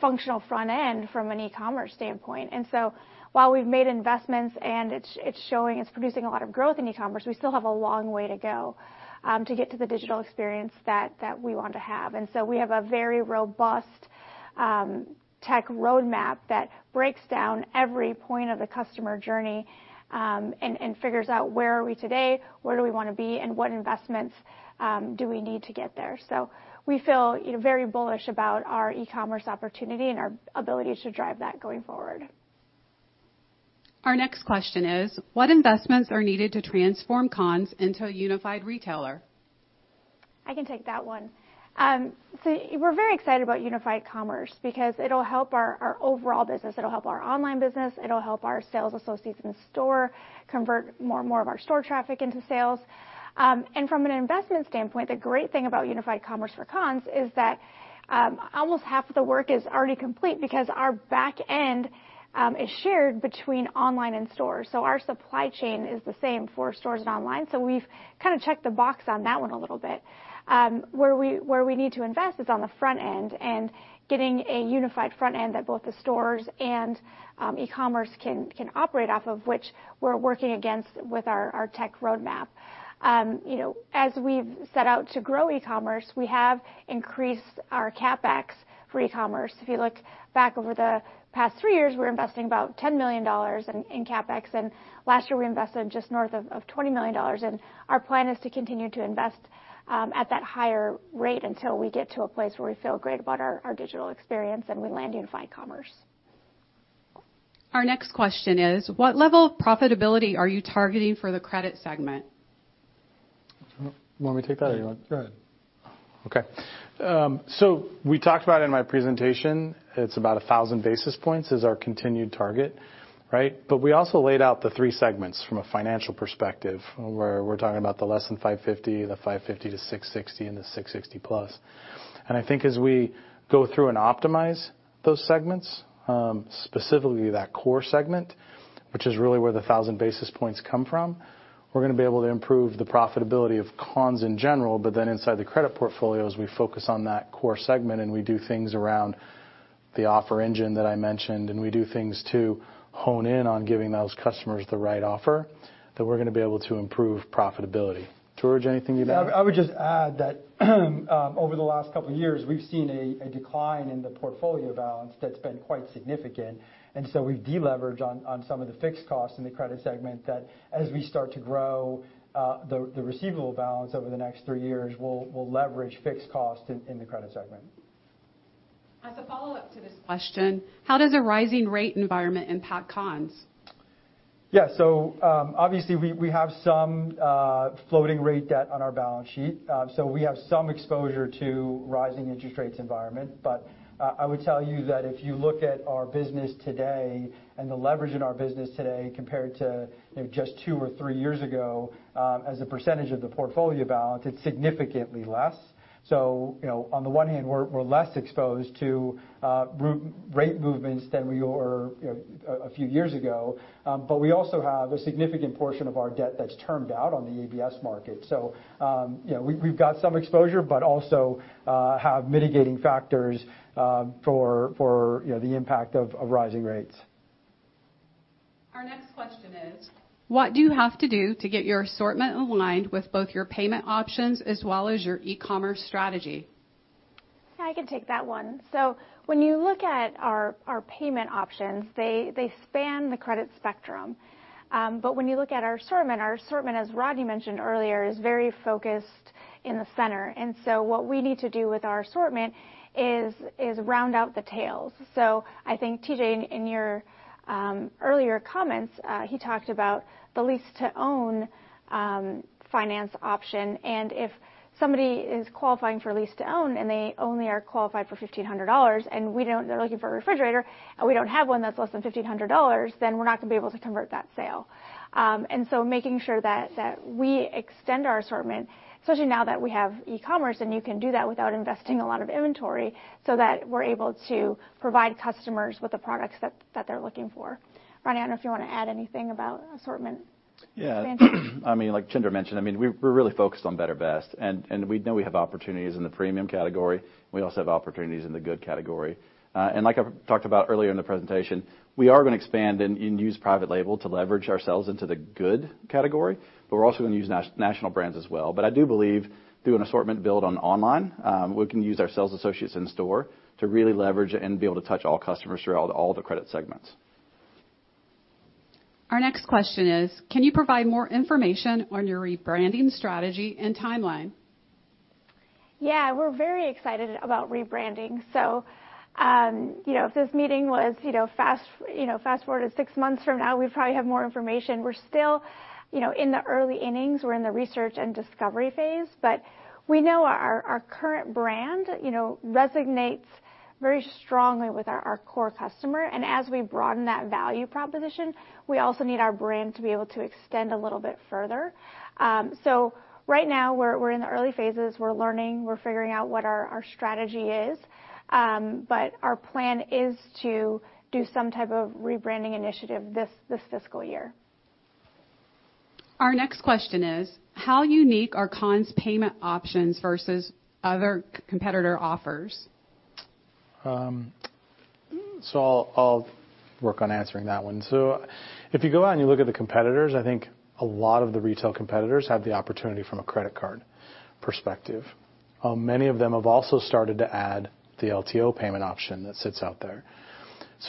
functional front end from an e-commerce standpoint. While we've made investments and it's showing it's producing a lot of growth in e-commerce, we still have a long way to go to get to the digital experience that we want to have. We have a very robust tech roadmap that breaks down every point of the customer journey and figures out where are we today, where do we want to be, and what investments do we need to get there. We feel, you know, very bullish about our e-commerce opportunity and our ability to drive that going forward. Our next question is: what investments are needed to transform Conn's into a unified retailer? I can take that one. We're very excited about unified commerce because it'll help our overall business. It'll help our online business. It'll help our sales associates in store convert more and more of our store traffic into sales. From an investment standpoint, the great thing about unified commerce for Conn's is that almost half of the work is already complete because our back end is shared between online and stores. Our supply chain is the same for stores and online, so we've kinda checked the box on that one a little bit. Where we need to invest is on the front end and getting a unified front end that both the stores and e-commerce can operate off of which we're working against with our tech roadmap. You know, as we've set out to grow e-commerce, we have increased our CapEx for e-commerce. If you look back over the past three years, we're investing about $10 million in CapEx, and last year, we invested just north of $20 million. Our plan is to continue to invest at that higher rate until we get to a place where we feel great about our digital experience and we land unified commerce. Our next question is: What level of profitability are you targeting for the credit segment? You want me to take that? Go ahead. Okay. We talked about in my presentation, it's about 1,000 basis points is our continued target, right? We also laid out the three segments from a financial perspective, where we're talking about the less than 550, the 550 to 660, and the 660 plus. I think as we go through and optimize those segments, specifically that core segment, which is really where the 1,000 basis points come from, we're gonna be able to improve the profitability of Conn's in general. Then inside the credit portfolios, we focus on that core segment and we do things around the offer engine that I mentioned, and we do things to hone in on giving those customers the right offer, that we're gonna be able to improve profitability. George, anything you'd add? Yeah, I would just add that, over the last couple years, we've seen a decline in the portfolio balance that's been quite significant. We've deleveraged on some of the fixed costs in the credit segment that as we start to grow the receivable balance over the next three years, we'll leverage fixed cost in the credit segment. As a follow-up to this question, how does a rising rate environment impact Conn's? Yeah. Obviously we have some floating rate debt on our balance sheet. We have some exposure to rising interest rates environment. I would tell you that if you look at our business today and the leverage in our business today compared to, you know, just two or three years ago, as a percentage of the portfolio balance, it's significantly less. You know, on the one hand, we're less exposed to rate movements than we were, you know, a few years ago, but we also have a significant portion of our debt that's termed out on the ABS market. You know, we've got some exposure but also have mitigating factors for, you know, the impact of rising rates. Our next question is, what do you have to do to get your assortment aligned with both your payment options as well as your e-commerce strategy? I can take that one. When you look at our payment options, they span the credit spectrum. When you look at our assortment, our assortment, as Rodney mentioned earlier, is very focused in the center. What we need to do with our assortment is round out the tails. I think TJ, in your earlier comments, he talked about the lease-to-own finance option. If somebody is qualifying for lease to own and they only are qualified for $1,500 and they're looking for a refrigerator and we don't have one that's less than $1,500, then we're not gonna be able to convert that sale. Making sure that we extend our assortment, especially now that we have e-commerce, and you can do that without investing a lot of inventory, so that we're able to provide customers with the products that they're looking for. Ronnie, I don't know if you wanna add anything about assortment expansion. Yeah. I mean, like Chandra mentioned, I mean, we're really focused on better, best, and we know we have opportunities in the premium category. We also have opportunities in the good category. Like I've talked about earlier in the presentation, we are gonna expand and use private label to leverage ourselves into the good category, but we're also gonna use national brands as well. I do believe, through an assortment built online, we can use our sales associates in-store to really leverage and be able to touch all customers throughout all the credit segments. Our next question is: can you provide more information on your rebranding strategy and timeline? Yeah. We're very excited about rebranding. You know, if this meeting was, you know, fast-forward to six months from now, we'd probably have more information. We're still, you know, in the early innings. We're in the research and discovery phase. We know our current brand, you know, resonates very strongly with our core customer. As we broaden that value proposition, we also need our brand to be able to extend a little bit further. Right now we're in the early phases. We're learning, we're figuring out what our strategy is. Our plan is to do some type of rebranding initiative this fiscal year. Our next question is: How unique are Conn's payment options versus other competitor offers? I'll work on answering that one. If you go out and you look at the competitors, I think a lot of the retail competitors have the opportunity from a credit card perspective. Many of them have also started to add the LTO payment option that sits out there.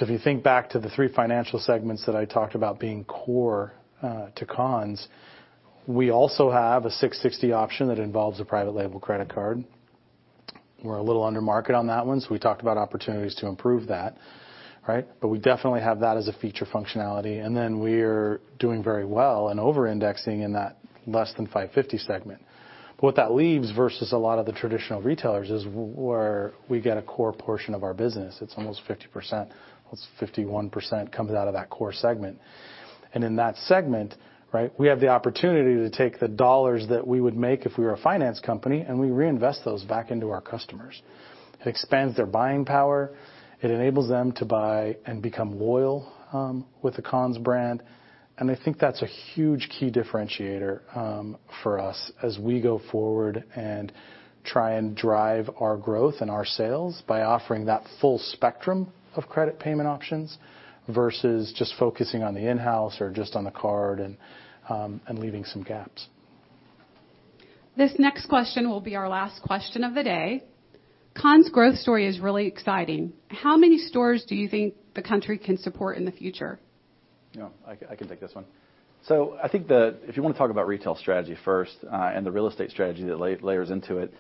If you think back to the three financial segments that I talked about being core to Conn's, we also have a 660 option that involves a private label credit card. We're a little under market on that one, so we talked about opportunities to improve that, right? We definitely have that as a feature functionality. Then we're doing very well and over-indexing in that less than 550 segment. What that leaves versus a lot of the traditional retailers is where we get a core portion of our business. It's almost 50%. Almost 51% comes out of that core segment. In that segment, right, we have the opportunity to take the dollars that we would make if we were a finance company, and we reinvest those back into our customers. It expands their buying power, it enables them to buy and become loyal with the Conn's brand, and I think that's a huge key differentiator for us as we go forward and try and drive our growth and our sales by offering that full spectrum of credit payment options versus just focusing on the in-house or just on the card and leaving some gaps. This next question will be our last question of the day. Conn's growth story is really exciting. How many stores do you think the country can support in the future? You know, I can take this one. I think if you want to talk about retail strategy first, and the real estate strategy that layers into it,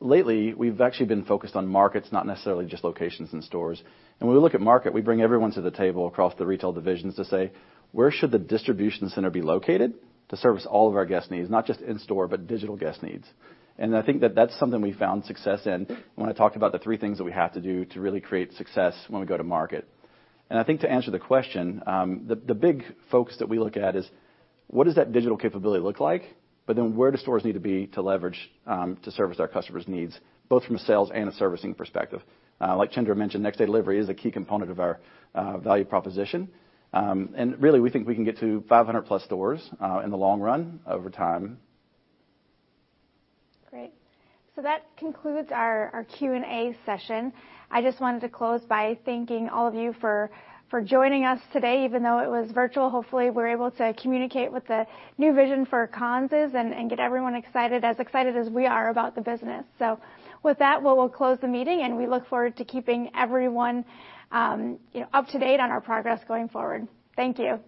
lately we've actually been focused on markets, not necessarily just locations and stores. When we look at market, we bring everyone to the table across the retail divisions to say, "Where should the distribution center be located to service all of our guest needs, not just in store, but digital guest needs?" I think that's something we found success in. When I talk about the three things that we have to do to really create success when we go to market. I think to answer the question, the big focus that we look at is what does that digital capability look like, but then where do stores need to be to leverage to service our customers' needs, both from a sales and a servicing perspective. Like Chandra mentioned, next day delivery is a key component of our value proposition. And really, we think we can get to 500+ stores in the long run over time. Great. That concludes our Q&A session. I just wanted to close by thanking all of you for joining us today, even though it was virtual. Hopefully, we're able to communicate what the new vision for Conn's is and get everyone excited, as excited as we are about the business. With that, well, we'll close the meeting, and we look forward to keeping everyone, you know, up to date on our progress going forward. Thank you.